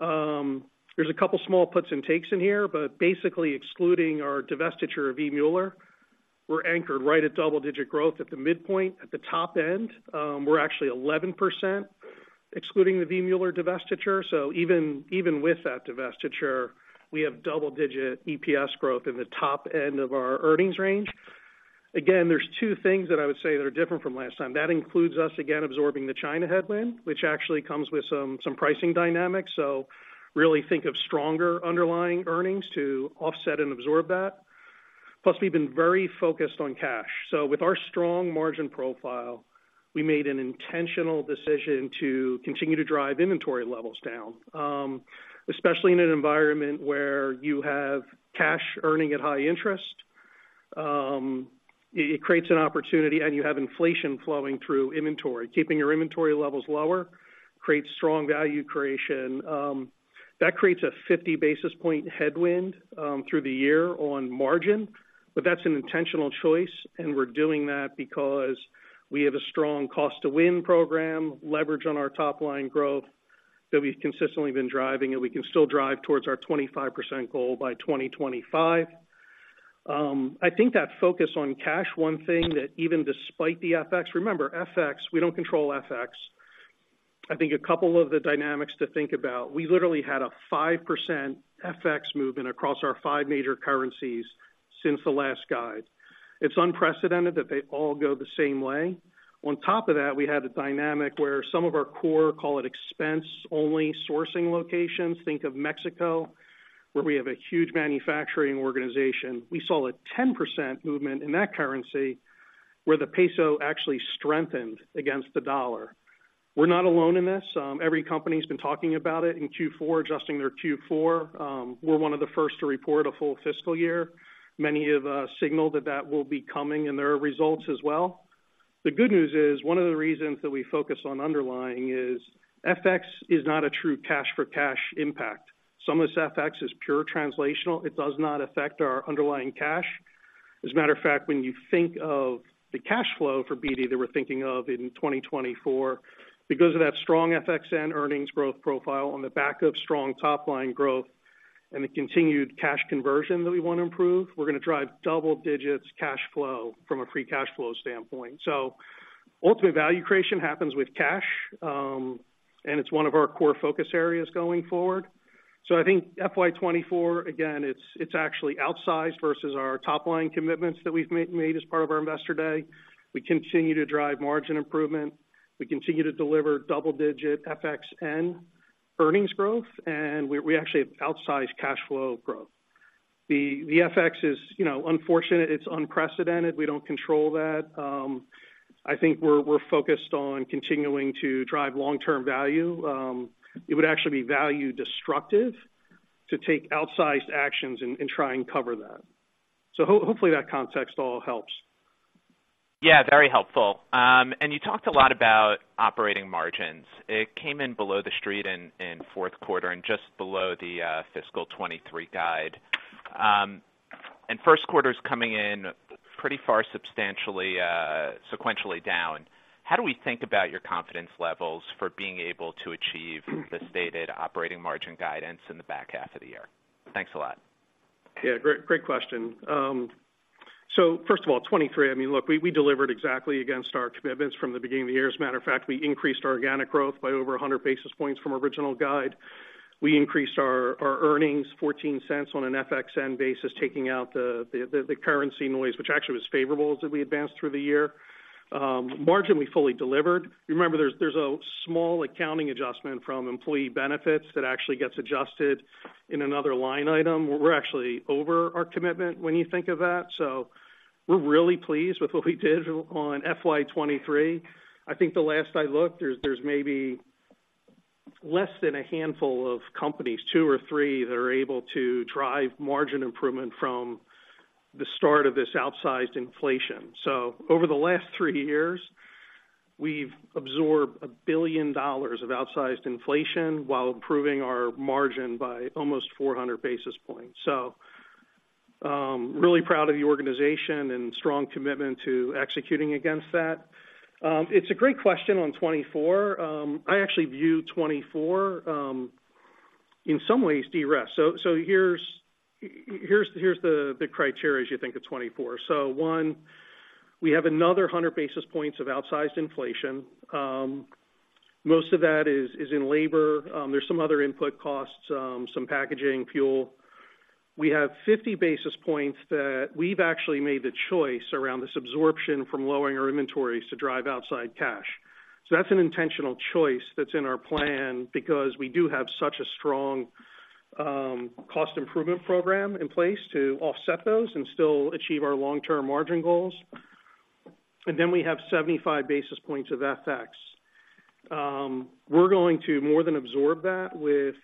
There's a couple small puts and takes in here, but basically excluding our divestiture of V. Mueller. We're anchored right at double-digit growth at the midpoint. At the top end, we're actually 11%, excluding the V. Mueller divestiture. So even, even with that divestiture, we have double-digit EPS growth in the top end of our earnings range. Again, there's two things that I would say that are different from last time. That includes us, again, absorbing the China headwind, which actually comes with some, some pricing dynamics. So really think of stronger underlying earnings to offset and absorb that. Plus, we've been very focused on cash. So with our strong margin profile, we made an intentional decision to continue to drive inventory levels down. Especially in an environment where you have cash earning at high interest, it, it creates an opportunity, and you have inflation flowing through inventory. Keeping your inventory levels lower creates strong value creation. That creates a 50 basis point headwind, through the year on margin. But that's an intentional choice, and we're doing that because we have a strong Cost to Win program, leverage on our top line growth that we've consistently been driving, and we can still drive towards our 25% goal by 2025. I think that focus on cash, one thing that even despite the FX... Remember, FX, we don't control FX. I think a couple of the dynamics to think about, we literally had a 5% FX movement across our 5 major currencies since the last guide. It's unprecedented that they all go the same way. On top of that, we had a dynamic where some of our core, call it expense-only sourcing locations, think of Mexico. where we have a huge manufacturing organization, we saw a 10% movement in that currency where the peso actually strengthened against the US dollar. We're not alone in this. Every company's been talking about it in Q4, adjusting their Q4. We're one of the first to report a full fiscal year. Many have signaled that that will be coming in their results as well. The good news is, one of the reasons that we focus on underlying is FX is not a true cash-for-cash impact. Some of this FX is pure translational. It does not affect our underlying cash. As a matter of fact, when you think of the cash flow for BD that we're thinking of in 2024, because of that strong FX and earnings growth profile on the back of strong top line growth and the continued cash conversion that we wanna improve, we're gonna drive double-digit cash flow from a free cash flow standpoint. So ultimate value creation happens with cash, and it's one of our core focus areas going forward. So I think FY 2024, again, it's, it's actually outsized versus our top line commitments that we've made as part of our Investor Day. We continue to drive margin improvement. We continue to deliver double-digit FXN earnings growth, and we, we actually have outsized cash flow growth. The, the FX is, you know, unfortunate. It's unprecedented. We don't control that. I think we're, we're focused on continuing to drive long-term value. It would actually be value destructive to take outsized actions and try and cover that. So hopefully, that context all helps. Yeah, very helpful. You talked a lot about operating margins. It came in below the street in fourth quarter and just below the fiscal 23 guide. First quarter's coming in pretty far, substantially, sequentially down. How do we think about your confidence levels for being able to achieve the stated operating margin guidance in the back half of the year? Thanks a lot. Yeah, great, great question. So first of all, 2023, I mean, look, we, we delivered exactly against our commitments from the beginning of the year. As a matter of fact, we increased our organic growth by over 100 basis points from original guide. We increased our, our earnings $0.14 on an FXN basis, taking out the currency noise, which actually was favorable as we advanced through the year. Margin, we fully delivered. Remember, there's, there's a small accounting adjustment from employee benefits that actually gets adjusted in another line item. We're actually over our commitment when you think of that, so we're really pleased with what we did on FY 2023. I think the last I looked, there's, there's maybe less than a handful of companies, 2 or 3, that are able to drive margin improvement from the start of this outsized inflation. So over the last three years, we've absorbed $1 billion of outsized inflation while improving our margin by almost 400 basis points. So, really proud of the organization and strong commitment to executing against that. It's a great question on 2024. I actually view 2024, in some ways, de-risk. So here's the criteria as you think of 2024. So one, we have another 100 basis points of outsized inflation. Most of that is in labor. There's some other input costs, some packaging, fuel. We have 50 basis points that we've actually made the choice around this absorption from lowering our inventories to drive outside cash. So that's an intentional choice that's in our plan because we do have such a strong cost improvement program in place to offset those and still achieve our long-term margin goals. And then we have 75 basis points of FX. We're going to more than absorb that with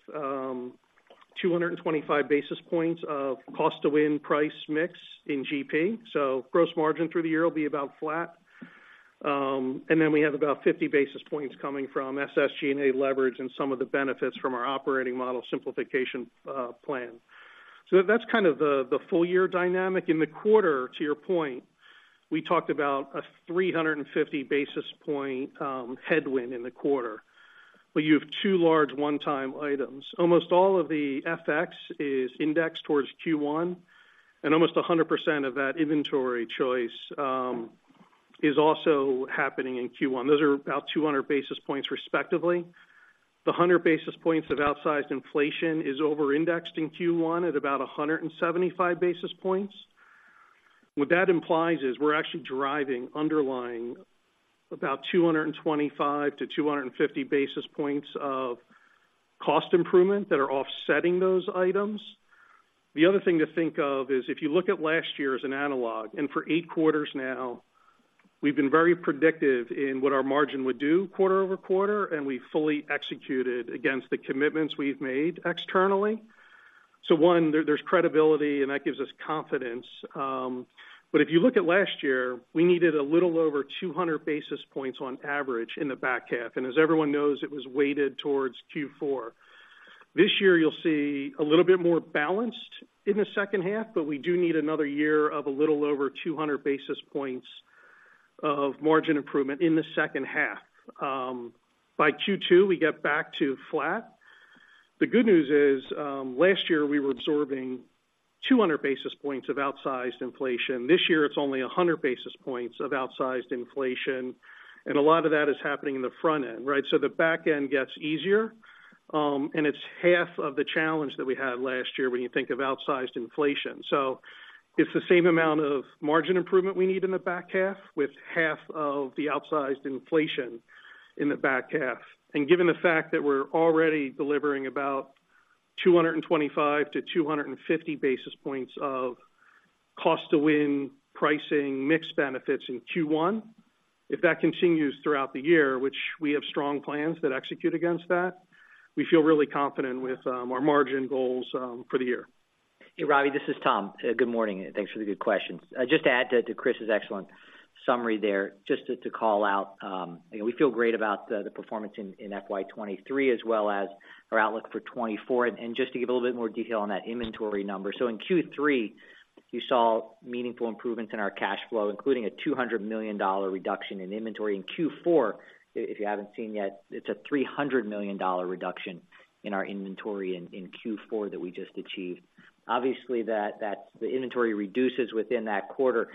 225 basis points of Cost to Win price mix in GP. So gross margin through the year will be about flat. And then we have about 50 basis points coming from SSG&A leverage and some of the benefits from our operating model simplification plan. So that's kind of the full year dynamic. In the quarter, to your point, we talked about a 350 basis point headwind in the quarter, where you have two large one-time items. Almost all of the FX is indexed towards Q1, and almost 100% of that inventory choice is also happening in Q1. Those are about 200 basis points respectively. The 100 basis points of outsized inflation is over-indexed in Q1 at about 175 basis points. What that implies is we're actually driving underlying about 225-250 basis points of cost improvement that are offsetting those items. The other thing to think of is, if you look at last year as an analog, and for 8 quarters now, we've been very predictive in what our margin would do quarter-over-quarter, and we fully executed against the commitments we've made externally. So one, there, there's credibility, and that gives us confidence. But if you look at last year, we needed a little over 200 basis points on average in the back half, and as everyone knows, it was weighted towards Q4. This year, you'll see a little bit more balanced in the second half, but we do need another year of a little over 200 basis points of margin improvement in the second half. By Q2, we get back to flat. The good news is, last year, we were absorbing 200 basis points of outsized inflation. This year, it's only 100 basis points of outsized inflation, and a lot of that is happening in the front end, right? So,... It's the same amount of margin improvement we need in the back half, with half of the outsized inflation in the back half. And given the fact that we're already delivering about 225-250 basis points of Cost to Win pricing mix benefits in Q1, if that continues throughout the year, which we have strong plans that execute against that, we feel really confident with our margin goals for the year. Hey, Robbie, this is Tom. Good morning, and thanks for the good questions. Just to add to Chris's excellent summary there, just to call out, you know, we feel great about the performance in FY 2023, as well as our outlook for 2024. And just to give a little bit more detail on that inventory number. So in Q3, you saw meaningful improvements in our cash flow, including a $200 million reduction in inventory. In Q4, if you haven't seen yet, it's a $300 million reduction in our inventory in Q4 that we just achieved. Obviously, the inventory reduces within that quarter.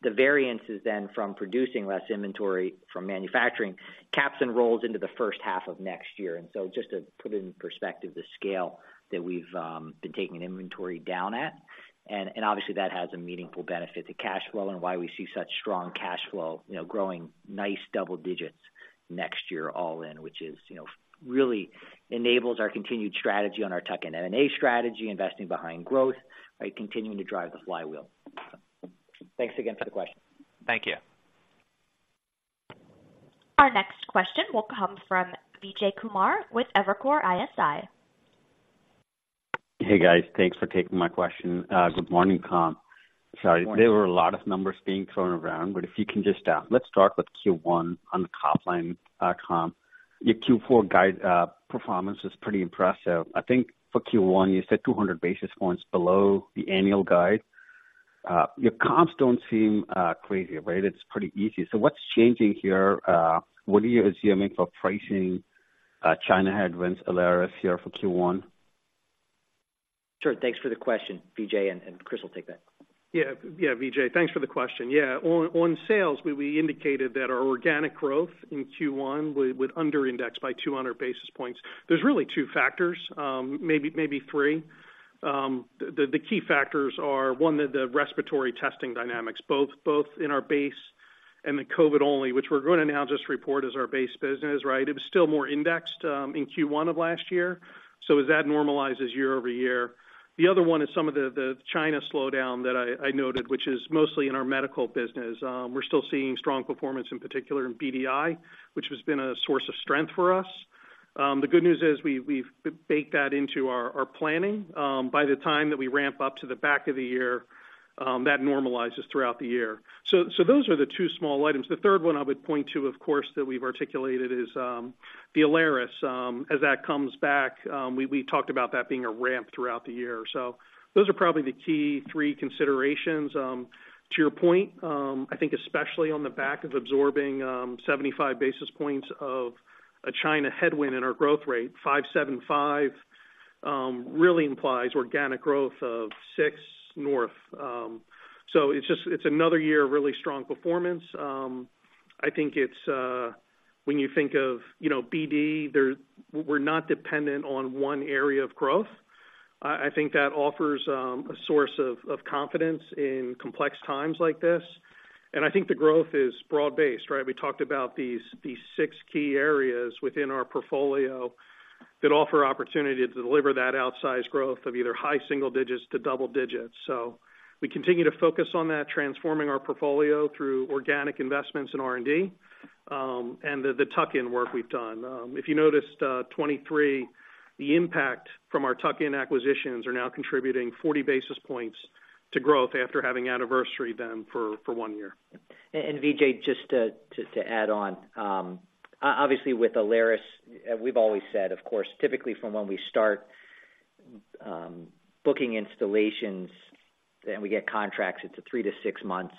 The variance is then from producing less inventory from manufacturing, CapEx and rolls into the first half of next year. And so just to put it in perspective, the scale that we've been taking inventory down at, and obviously that has a meaningful benefit to cash flow and why we see such strong cash flow, you know, growing nice double digits next year, all in, which is, you know, really enables our continued strategy on our tuck-in M&A strategy, investing behind growth, by continuing to drive the flywheel. Thanks again for the question. Thank you. Our next question will come from Vijay Kumar with Evercore ISI. Hey, guys. Thanks for taking my question. Good morning, Tom. Sorry, there were a lot of numbers being thrown around, but if you can just, let's start with Q1 on the top line, Tom. Your Q4 guide performance was pretty impressive. I think for Q1, you said 200 basis points below the annual guide. Your comps don't seem crazy, right? It's pretty easy. So what's changing here? What are you assuming for pricing, China headwinds, Alaris, here for Q1? Sure. Thanks for the question, Vijay, and Chris will take that. Yeah. Yeah, Vijay, thanks for the question. Yeah, on sales, we indicated that our organic growth in Q1 would underindex by 200 basis points. There's really two factors, maybe three. The key factors are, one, the respiratory testing dynamics, both in our base and the COVID-only, which we're going to now just report as our base business, right? It was still more indexed in Q1 of last year, so as that normalizes year-over-year. The other one is some of the China slowdown that I noted, which is mostly in our Medical business. We're still seeing strong performance, in particular in BDI, which has been a source of strength for us. The good news is we've baked that into our planning. By the time that we ramp up to the back of the year, that normalizes throughout the year. So those are the two small items. The third one I would point to, of course, that we've articulated is the Alaris. As that comes back, we talked about that being a ramp throughout the year. So those are probably the key three considerations. To your point, I think especially on the back of absorbing 75 basis points of a China headwind in our growth rate, 5.75 really implies organic growth of 6 north. So it's just, it's another year of really strong performance. I think it's, when you think of, you know, BD, there, we're not dependent on one area of growth. I think that offers a source of confidence in complex times like this. I think the growth is broad-based, right? We talked about these six key areas within our portfolio that offer opportunity to deliver that outsized growth of either high single digits to double digits. So we continue to focus on that, transforming our portfolio through organic investments in R&D, and the tuck-in work we've done. If you noticed, 2023, the impact from our tuck-in acquisitions are now contributing 40 basis points to growth after having anniversary them for one year. And Vijay, just to add on. Obviously, with Alaris, we've always said, of course, typically from when we start booking installations and we get contracts, it's a 3-6 months,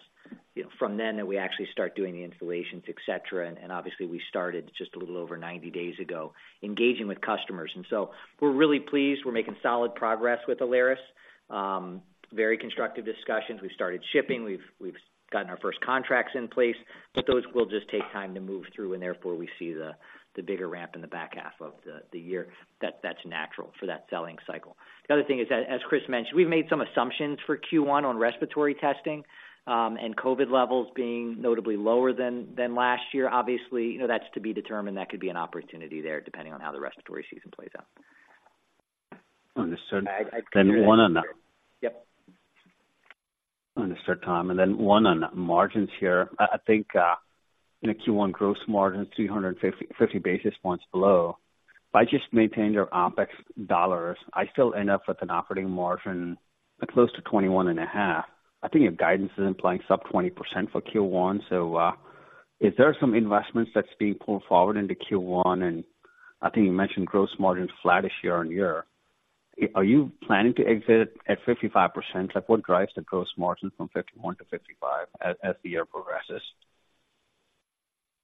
you know, from then that we actually start doing the installations, et cetera. And obviously, we started just a little over 90 days ago, engaging with customers. And so we're really pleased. We're making solid progress with Alaris. Very constructive discussions. We've started shipping. We've gotten our first contracts in place, but those will just take time to move through, and therefore, we see the bigger ramp in the back half of the year. That's natural for that selling cycle. The other thing is that, as Chris mentioned, we've made some assumptions for Q1 on respiratory testing, and COVID levels being notably lower than last year. Obviously, you know, that's to be determined. That could be an opportunity there, depending on how the respiratory season plays out. Understood. Then one on that. Yep. Understood, Tom. And then one on margins here. I think in the Q1 gross margin, 350-50 basis points below. By just maintaining your OpEx dollars, I still end up with an operating margin close to 21.5%. I think your guidance is implying sub 20% for Q1, so is there some investments that's being pulled forward into Q1? And I think you mentioned gross margins flat-ish year-on-year. Are you planning to exit at 55%? Like, what drives the gross margin from 51% to 55% as the year progresses?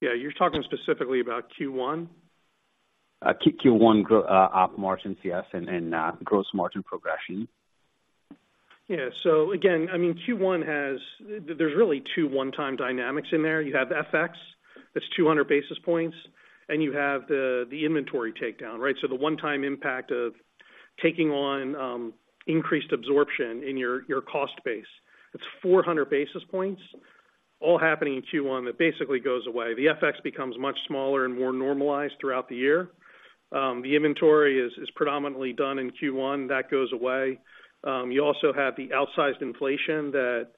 Yeah, you're talking specifically about Q1? Q1 op margins, yes, and gross margin progression. Yeah. So again, I mean, Q1 has... There's really two one-time dynamics in there. You have FX. That's 200 basis points, and you have the inventory takedown, right? So the one-time impact of taking on increased absorption in your cost base, that's 400 basis points all happening in Q1 that basically goes away. The FX becomes much smaller and more normalized throughout the year. The inventory is predominantly done in Q1. That goes away. You also have the outsized inflation that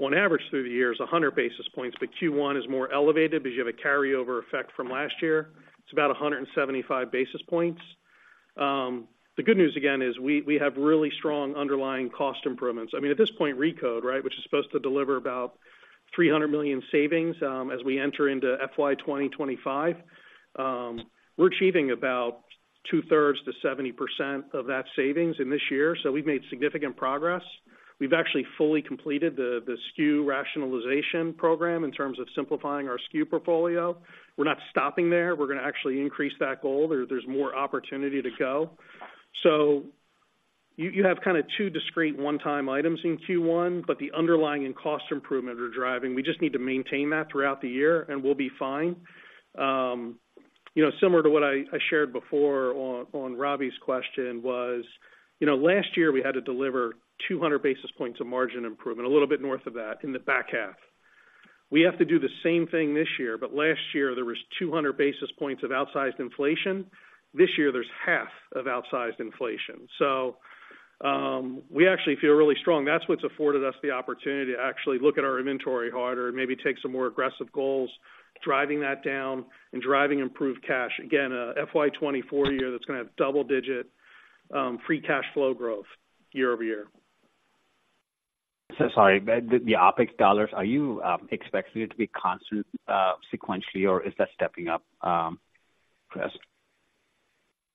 on average through the year is 100 basis points, but Q1 is more elevated because you have a carryover effect from last year. It's about 175 basis points. The good news again is we have really strong underlying cost improvements. I mean, at this point, ReCode, right, which is supposed to deliver about $300 million savings, as we enter into FY 2025, we're achieving about two-thirds to 70% of that savings in this year, so we've made significant progress. We've actually fully completed the SKU rationalization program in terms of simplifying our SKU portfolio. We're not stopping there. We're gonna actually increase that goal. There's more opportunity to go. So you have kind of two discrete one-time items in Q1, but the underlying and cost improvement are driving. We just need to maintain that throughout the year, and we'll be fine. You know, similar to what I shared before on Robbie's question was, you know, last year, we had to deliver 200 basis points of margin improvement, a little bit north of that in the back half. We have to do the same thing this year, but last year there was 200 basis points of outsized inflation. This year, there's half of outsized inflation. So, we actually feel really strong. That's what's afforded us the opportunity to actually look at our inventory harder and maybe take some more aggressive goals, driving that down and driving improved cash. Again, a FY 2024 year that's gonna have double-digit free cash flow growth year over year. So sorry, the OpEx dollars, are you expecting it to be constant sequentially, or is that stepping up, Chris?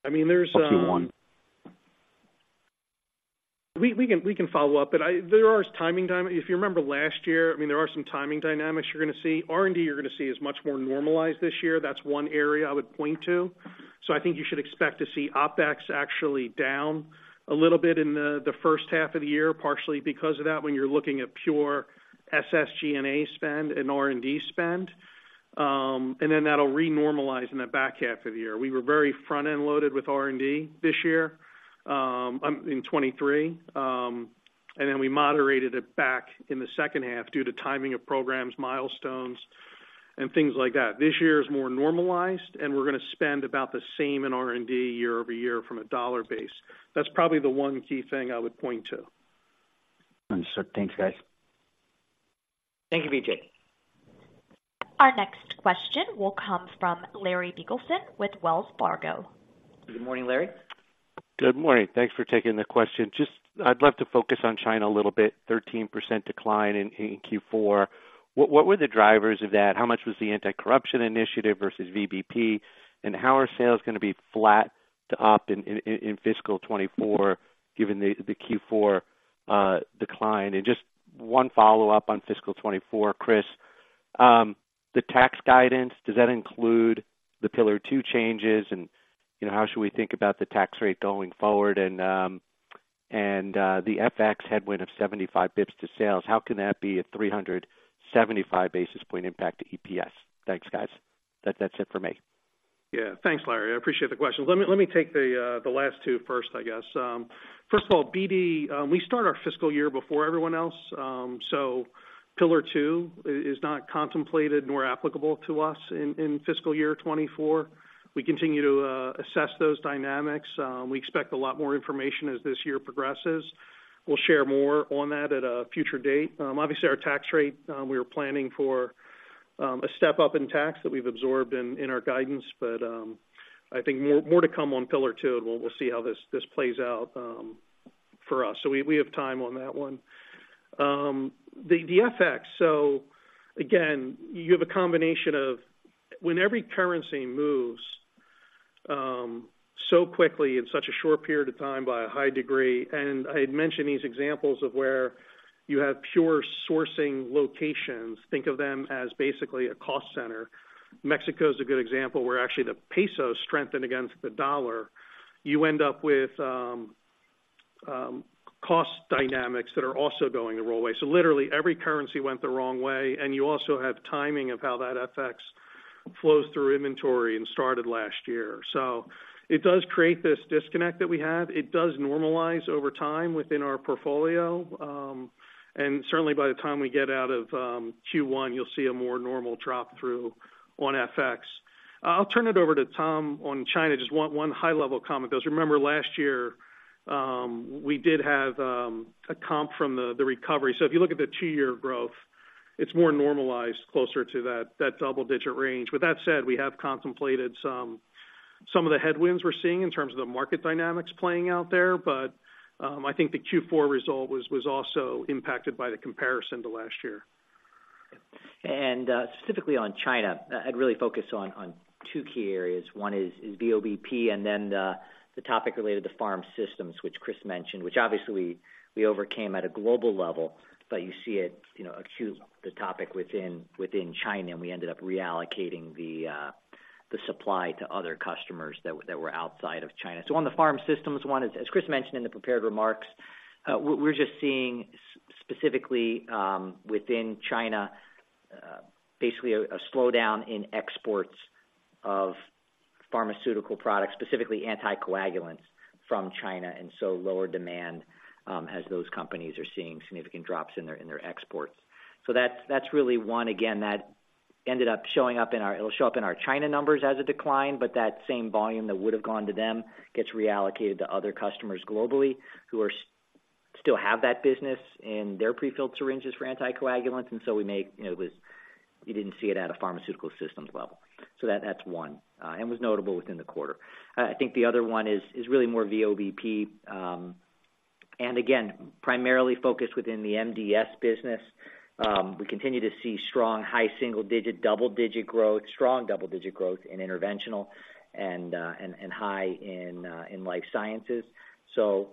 I mean, there's a- Q1. We can follow up, but there are timing dynamics. If you remember last year, I mean, there are some timing dynamics you're gonna see. R&D, you're gonna see, is much more normalized this year. That's one area I would point to. So I think you should expect to see OpEx actually down a little bit in the first half of the year, partially because of that, when you're looking at pure SSG&A spend and R&D spend, and then that'll re-normalize in the back half of the year. We were very front-end loaded with R&D this year in 2023. And then we moderated it back in the second half due to timing of programs, milestones, and things like that. This year is more normalized, and we're gonna spend about the same in R&D year-over-year from a dollar base. That's probably the one key thing I would point to. Understood. Thanks, guys. Thank you, Vijay. Our next question will come from Larry Biegelsen with Wells Fargo. Good morning, Larry. Good morning. Thanks for taking the question. I'd love to focus on China a little bit, 13% decline in Q4. What were the drivers of that? How much was the anti-corruption initiative versus VBP? And how are sales gonna be flat to up in fiscal 2024, given the Q4 decline? And just one follow-up on fiscal 2024, Chris. The tax guidance, does that include the Pillar Two changes? And, you know, how should we think about the tax rate going forward? And the FX headwind of 75 basis points to sales, how can that be a 375 basis point impact to EPS? Thanks, guys. That's it for me. Yeah. Thanks, Larry. I appreciate the question. Let me, let me take the, the last two first, I guess. First of all, BD, we start our fiscal year before everyone else, so Pillar Two is not contemplated nor applicable to us in fiscal year 2024. We continue to assess those dynamics. We expect a lot more information as this year progresses. We'll share more on that at a future date. Obviously, our tax rate, we were planning for a step up in tax that we've absorbed in our guidance, but I think more, more to come on Pillar Two, and we'll see how this plays out for us. So we have time on that one. The FX. Again, you have a combination of when every currency moves so quickly in such a short period of time by a high degree, and I had mentioned these examples of where you have pure sourcing locations, think of them as basically a cost center. Mexico is a good example, where actually the Mexican peso strengthened against the US dollar. You end up with cost dynamics that are also going the wrong way. So literally, every currency went the wrong way, and you also have timing of how that FX flows through inventory and started last year. So it does create this disconnect that we have. It does normalize over time within our portfolio, and certainly by the time we get out of Q1, you'll see a more normal drop through on FX. I'll turn it over to Tom on China. Just one, one high-level comment, because remember, last year, we did have a comp from the, the recovery. So if you look at the two-year growth, it's more normalized, closer to that, that double-digit range. With that said, we have contemplated some, some of the headwinds we're seeing in terms of the market dynamics playing out there, but I think the Q4 result was, was also impacted by the comparison to last year. Specifically on China, I'd really focus on two key areas. One is VoBP and then the topic related to Pharm Systems, which Chris mentioned, which obviously we overcame at a global level, but you see it, you know, acutely the topic within China, and we ended up reallocating the supply to other customers that were outside of China. So on the Pharm Systems one, as Chris mentioned in the prepared remarks, we're just seeing specifically within China basically a slowdown in exports of pharmaceutical products, specifically anticoagulants from China, and so lower demand, as those companies are seeing significant drops in their exports. So that's, that's really one, again, that ended up showing up in our-- it'll show up in our China numbers as a decline, but that same volume that would have gone to them gets reallocated to other customers globally, who are- still have that business in their prefilled syringes for anticoagulants. And so we make, you know, it was-- you didn't see it at a pharmaceutical systems level. So that, that's one, and was notable within the quarter. I think the other one is, is really more VoBP. And again, primarily focused within the MDS business. We continue to see strong, high single-digit, double-digit growth, strong double-digit growth in Interventional and, and, and high in, in Life Sciences. So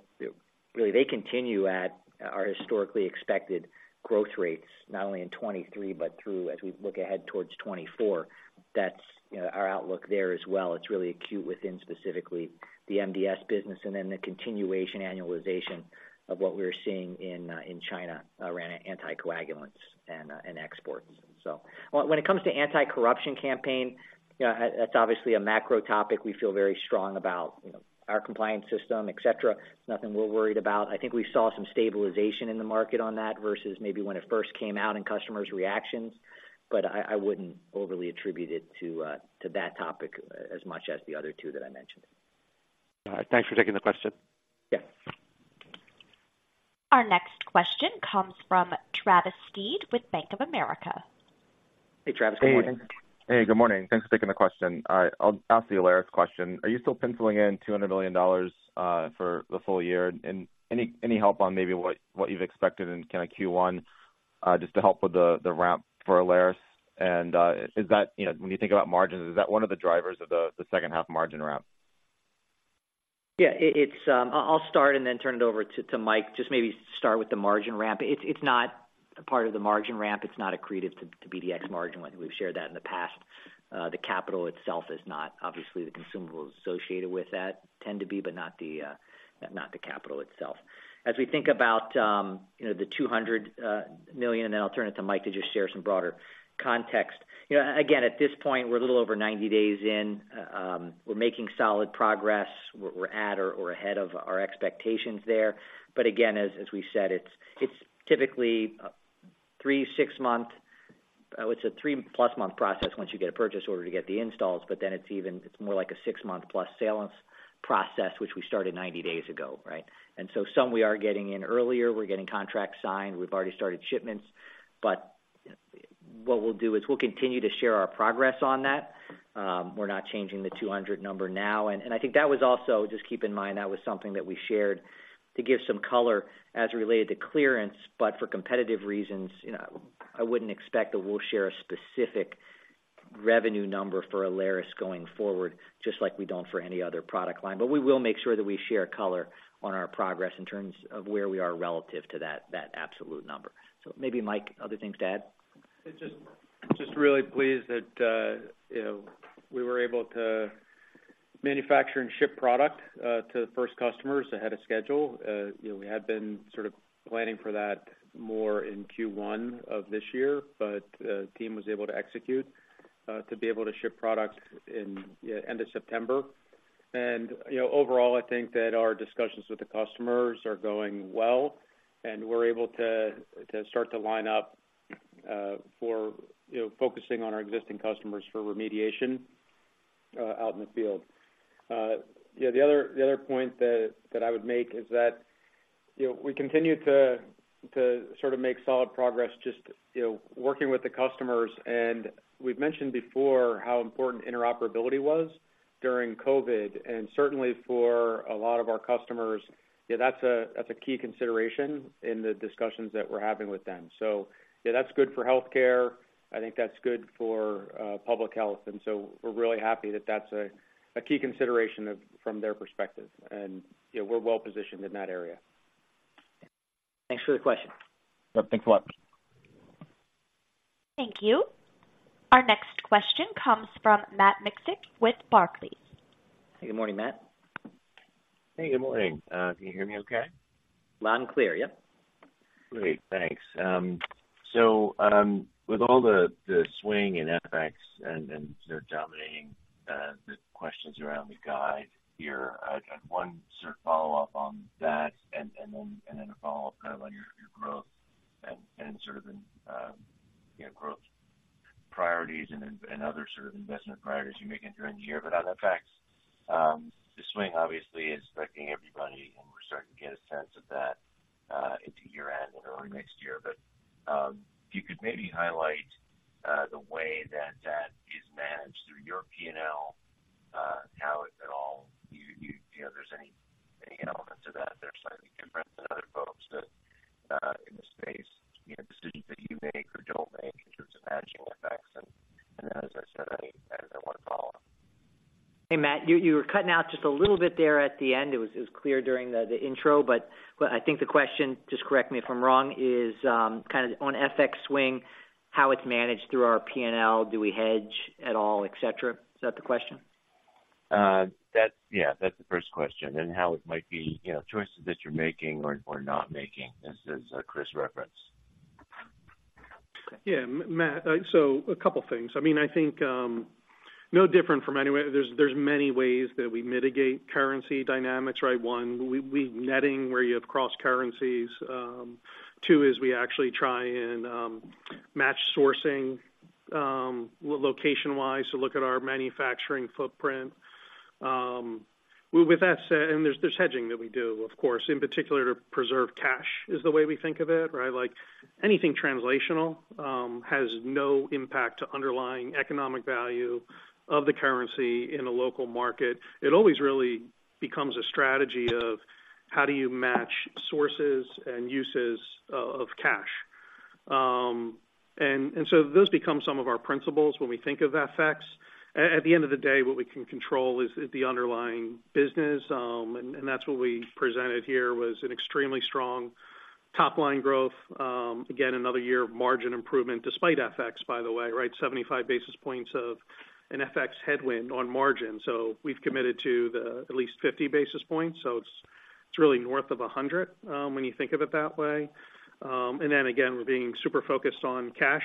really, they continue at our historically expected growth rates, not only in 2023, but through, as we look ahead towards 2024. That's, you know, our outlook there as well. It's really acute within specifically the MDS business and then the continuation annualization of what we're seeing in, in China around anticoagulants and, and exports. So when, when it comes to anti-corruption campaign, yeah, that's obviously a macro topic. We feel very strong about, you know, our compliance system, et cetera. Nothing we're worried about. I think we saw some stabilization in the market on that versus maybe when it first came out in customers' reactions, but I, I wouldn't overly attribute it to, to that topic as much as the other two that I mentioned. Thanks for taking the question. Yeah. Our next question comes from Travis Steed with Bank of America. Hey, Travis, good morning. Hey. Hey, good morning. Thanks for taking the question. All right, I'll ask the Alaris question. Are you still penciling in $200 million for the full year? And any help on maybe what you've expected in kind of Q1, just to help with the ramp for Alaris? And, is that... You know, when you think about margins, is that one of the drivers of the second half margin ramp? Yeah, it's... I'll start and then turn it over to Mike. Just maybe start with the margin ramp. It's not a part of the margin ramp. It's not accretive to BDX margin. I think we've shared that in the past. The capital itself is not. Obviously, the consumables associated with that tend to be, but not the capital itself. As we think about, you know, the $200 million, and then I'll turn it to Mike to just share some broader context. You know, again, at this point, we're a little over 90 days in. We're making solid progress. We're at or ahead of our expectations there. But again, as we said, it's typically a 3+-month process once you get a purchase order to get the installs, but then it's more like a 6-month+ sales process, which we started 90 days ago, right? And so some we are getting in earlier, we're getting contracts signed, we've already started shipments. But what we'll do is we'll continue to share our progress on that. We're not changing the 200 number now. And I think that was also, just keep in mind, that was something that we shared to give some color as it related to clearance. But for competitive reasons, you know, I wouldn't expect that we'll share a specific revenue number for Alaris going forward, just like we don't for any other product line. We will make sure that we share color on our progress in terms of where we are relative to that, that absolute number. Maybe, Mike, other things to add? Just, just really pleased that, you know, we were able to manufacture and ship product to the first customers ahead of schedule. You know, we had been sort of planning for that more in Q1 of this year, but, the team was able to execute, to be able to ship product in, end of September. And, you know, overall, I think that our discussions with the customers are going well, and we're able to, to start to line up, for, you know, focusing on our existing customers for remediation, out in the field. Yeah, the other, the other point that, that I would make is that, you know, we continue to, to sort of make solid progress just, you know, working with the customers. And we've mentioned before how important interoperability was during COVID, and certainly for a lot of our customers, yeah, that's a, that's a key consideration in the discussions that we're having with them. So yeah, that's good for healthcare. I think that's good for public health. And so we're really happy that that's a, a key consideration from their perspective, and, you know, we're well positioned in that area. Thanks for the question. Yep, thanks a lot. Thank you. Our next question comes from Matt Miksic with Barclays. Hey, good morning, Matt. Hey, good morning. Can you hear me okay? Loud and clear, yep. Great, thanks. So, with all the, the swing in FX and, and, sort of dominating, the questions around the guide here, I've got one sort of follow-up on that and, and then, and then a follow-up kind of on your, your growth and, and sort of, you know, growth priorities and then- and other sort of investment priorities you're making during the year. But on FX, the swing obviously is affecting everybody, and we're starting to get a sense of that, into year-end and early next year. But, if you could maybe highlight, the way that that is managed through your P&L, how it at all, you, you... You know, there's any, any element to that, that's slightly different than other folks that, in the space, you know, decisions that you make or don't make in terms of managing FX. Then, as I said, I have one follow-up.... Hey, Matt, you were cutting out just a little bit there at the end. It was clear during the intro, but I think the question, just correct me if I'm wrong, is kind of on FX swing, how it's managed through our PNL? Do we hedge at all, et cetera? Is that the question? Yeah, that's the first question, and how it might be, you know, choices that you're making or, or not making, as, as Chris referenced. Yeah, Matt, so a couple things. I mean, I think, no different from anywhere. There's many ways that we mitigate currency dynamics, right? One, we netting where you have cross currencies. Two, is we actually try and match sourcing, location wise, so look at our manufacturing footprint. Well, with that said... And there's hedging that we do, of course, in particular, to preserve cash, is the way we think of it, right? Like, anything translational, has no impact to underlying economic value of the currency in a local market. It always really becomes a strategy of how do you match sources and uses of cash. And so those become some of our principles when we think of FX. At the end of the day, what we can control is the underlying business, and that's what we presented here, was an extremely strong top-line growth. Again, another year of margin improvement, despite FX, by the way, right? 75 basis points of an FX headwind on margin. So we've committed to the at least 50 basis points, so it's really north of 100, when you think of it that way. And then again, we're being super focused on cash,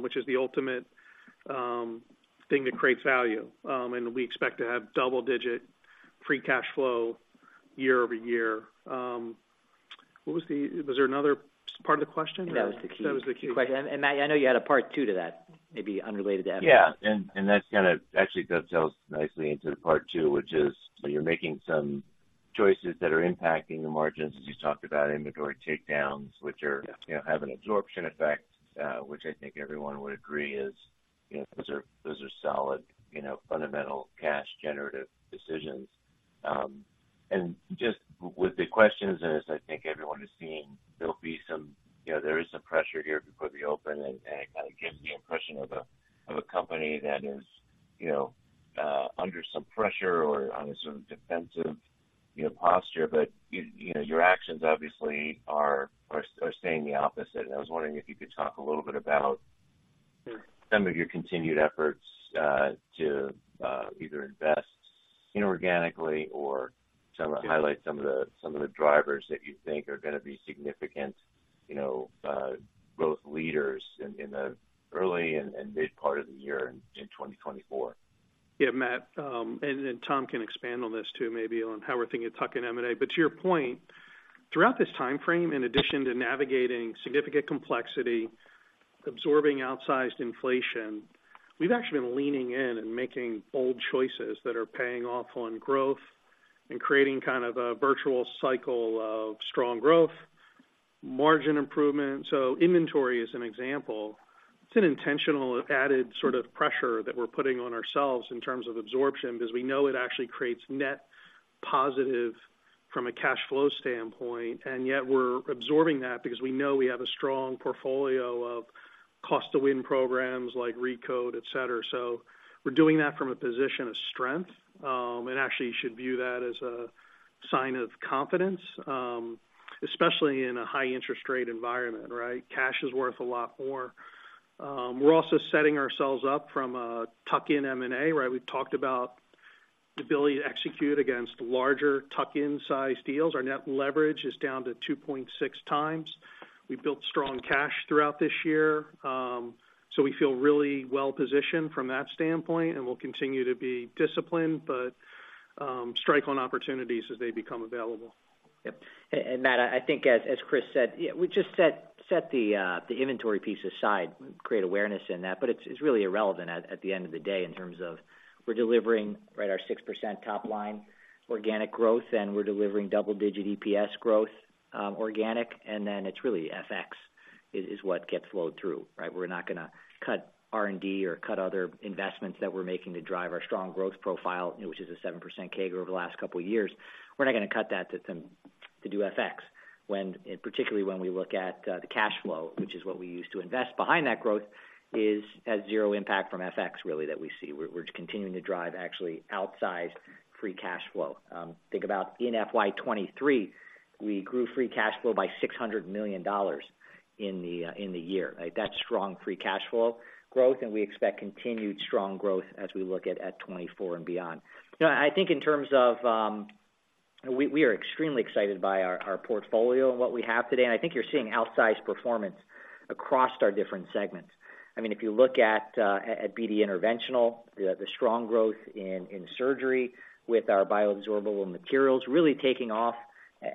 which is the ultimate thing that creates value. And we expect to have double-digit free cash flow year over year. What was the—was there another part of the question? That was the key. That was the key. Matt, I know you had a part two to that, maybe unrelated to FX. Yeah, and that kind of actually dovetails nicely into the part two, which is, so you're making some choices that are impacting the margins, as you talked about, inventory takedowns, which are- Yeah.... you know, have an absorption effect, which I think everyone would agree is, you know, those are, those are solid, you know, fundamental cash generative decisions. And just with the questions, and as I think everyone is seeing, there'll be some... You know, there is some pressure here before the open, and, and it kind of gives the impression of a, of a company that is, you know, under some pressure or on a sort of defensive, you know, posture. But, you know, your actions obviously are saying the opposite. I was wondering if you could talk a little bit about- Sure.... some of your continued efforts to either invest inorganically or highlight some of the drivers that you think are gonna be significant, you know, growth leaders in the early and mid part of the year in 2024. Yeah, Matt, and then Tom can expand on this too, maybe on how we're thinking of tuck-in M&A. But to your point, throughout this time frame, in addition to navigating significant complexity, absorbing outsized inflation, we've actually been leaning in and making bold choices that are paying off on growth and creating kind of a virtual cycle of strong growth, margin improvement. So inventory is an example. It's an intentional added sort of pressure that we're putting on ourselves in terms of absorption, because we know it actually creates net positive from a cash flow standpoint, and yet we're absorbing that because we know we have a strong portfolio of Cost to Win programs like ReCode, et cetera. So we're doing that from a position of strength, and actually should view that as a sign of confidence, especially in a high interest rate environment, right? Cash is worth a lot more. We're also setting ourselves up from a tuck-in M&A, right? We've talked about the ability to execute against larger tuck-in sized deals. Our net leverage is down to 2.6x. We've built strong cash throughout this year, so we feel really well positioned from that standpoint, and we'll continue to be disciplined, but strike on opportunities as they become available. Yep. And Matt, I think as Chris said, yeah, we just set the inventory piece aside, create awareness in that, but it's really irrelevant at the end of the day in terms of we're delivering, right, our 6% top line organic growth, and we're delivering double-digit EPS growth, organic, and then it's really FX is what gets flowed through, right? We're not gonna cut R&D or cut other investments that we're making to drive our strong growth profile, which is a 7% CAGR over the last couple of years. We're not gonna cut that to do FX, when particularly when we look at the cash flow, which is what we use to invest behind that growth, has zero impact from FX really that we see. We're continuing to drive actually outsized free cash flow. Think about in FY 2023, we grew free cash flow by $600 million in the year, right? That's strong free cash flow growth, and we expect continued strong growth as we look at 2024 and beyond. You know, I think in terms of, we are extremely excited by our portfolio and what we have today, and I think you're seeing outsized performance across our different segments. I mean, if you look at BD Interventional, the strong growth in Surgery with our bioabsorbable materials really taking off,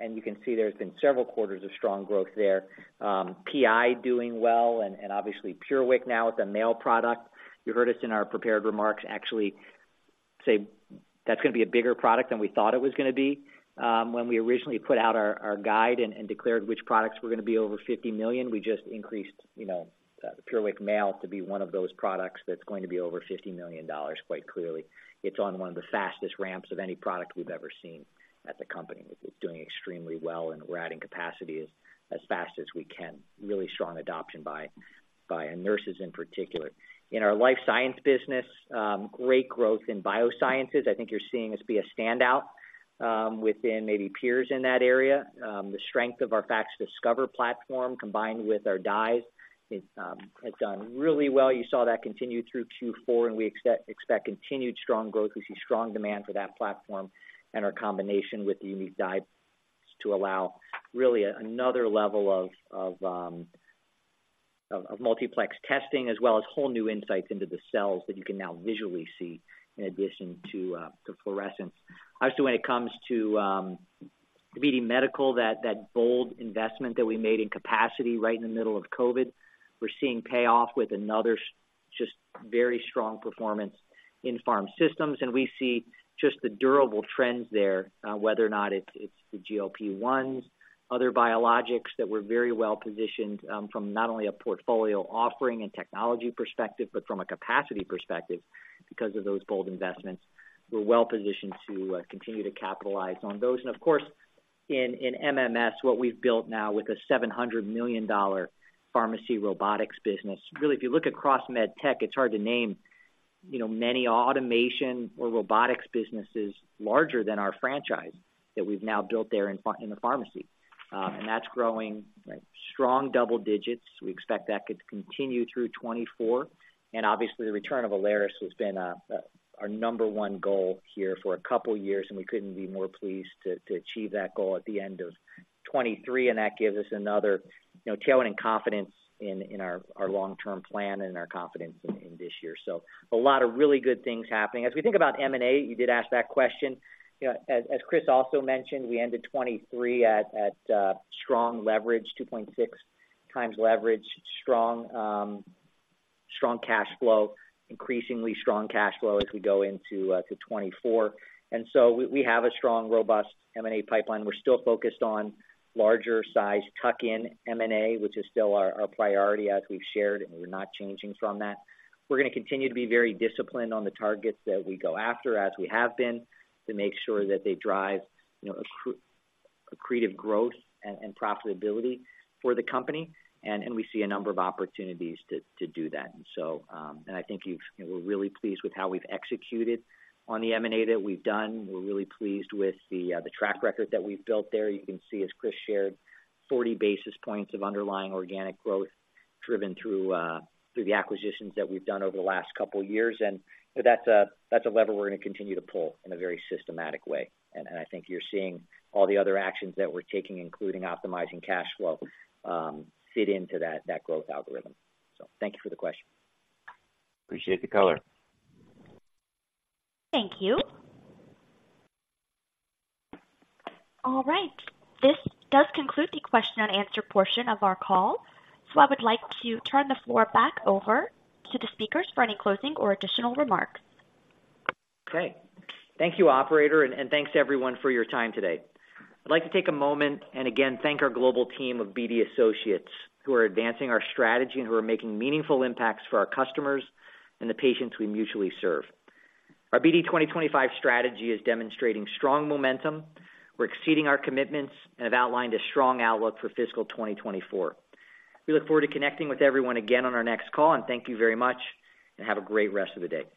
and you can see there's been several quarters of strong growth there. PI doing well, and obviously, PureWick now with the male product. You heard us in our prepared remarks, actually. Say that's going to be a bigger product than we thought it was going to be. When we originally put out our guide and declared which products were going to be over $50 million, we just increased, you know, PureWick Male to be one of those products that's going to be over $50 million quite clearly. It's on one of the fastest ramps of any product we've ever seen at the company. It's doing extremely well, and we're adding capacity as fast as we can. Really strong adoption by nurses in particular. In our life science business, great growth in Biosciences. I think you're seeing us be a standout within maybe peers in that area. The strength of our FACSDiscover platform, combined with our dyes, has done really well. You saw that continue through Q4, and we expect continued strong growth. We see strong demand for that platform and our combination with the unique dyes to allow really another level of multiplex testing, as well as whole new insights into the cells that you can now visually see in addition to fluorescence. Also, when it comes to BD Medical, that bold investment that we made in capacity right in the middle of COVID, we're seeing payoff with another just very strong performance in Pharm Systems, and we see just the durable trends there, whether or not it's the GLP-1s, other biologics that we're very well positioned from not only a portfolio offering and technology perspective, but from a capacity perspective, because of those bold investments. We're well positioned to continue to capitalize on those. Of course, in MMS, what we've built now with a $700 million pharmacy robotics business. Really, if you look across med tech, it's hard to name, you know, many automation or robotics businesses larger than our franchise that we've now built there in the pharmacy. And that's growing strong double digits. We expect that to continue through 2024. And obviously, the return of Alaris has been our number one goal here for a couple of years, and we couldn't be more pleased to achieve that goal at the end of 2023, and that gives us another, you know, tailwind and confidence in our long-term plan and our confidence in this year. So a lot of really good things happening. As we think about M&A, you did ask that question. You know, as Chris also mentioned, we ended 2023 at strong leverage, 2.6x leverage, strong cash flow, increasingly strong cash flow as we go into 2024. And so we have a strong, robust M&A pipeline. We're still focused on larger size tuck-in M&A, which is still our priority, as we've shared, and we're not changing from that. We're going to continue to be very disciplined on the targets that we go after, as we have been, to make sure that they drive, you know, accretive growth and profitability for the company, and we see a number of opportunities to do that. And so, I think we're really pleased with how we've executed on the M&A that we've done. We're really pleased with the track record that we've built there. You can see, as Chris shared, 40 basis points of underlying organic growth driven through the acquisitions that we've done over the last couple of years. And that's a, that's a lever we're going to continue to pull in a very systematic way. And, and I think you're seeing all the other actions that we're taking, including optimizing cash flow, fit into that, that growth algorithm. So thank you for the question. Appreciate the color. Thank you. All right, this does conclude the question and answer portion of our call. I would like to turn the floor back over to the speakers for any closing or additional remarks. Okay. Thank you, operator, and thanks to everyone for your time today. I'd like to take a moment and again, thank our global team of BD associates who are advancing our strategy and who are making meaningful impacts for our customers and the patients we mutually serve. Our BD 2025 strategy is demonstrating strong momentum. We're exceeding our commitments and have outlined a strong outlook for fiscal 2024. We look forward to connecting with everyone again on our next call, and thank you very much and have a great rest of the day.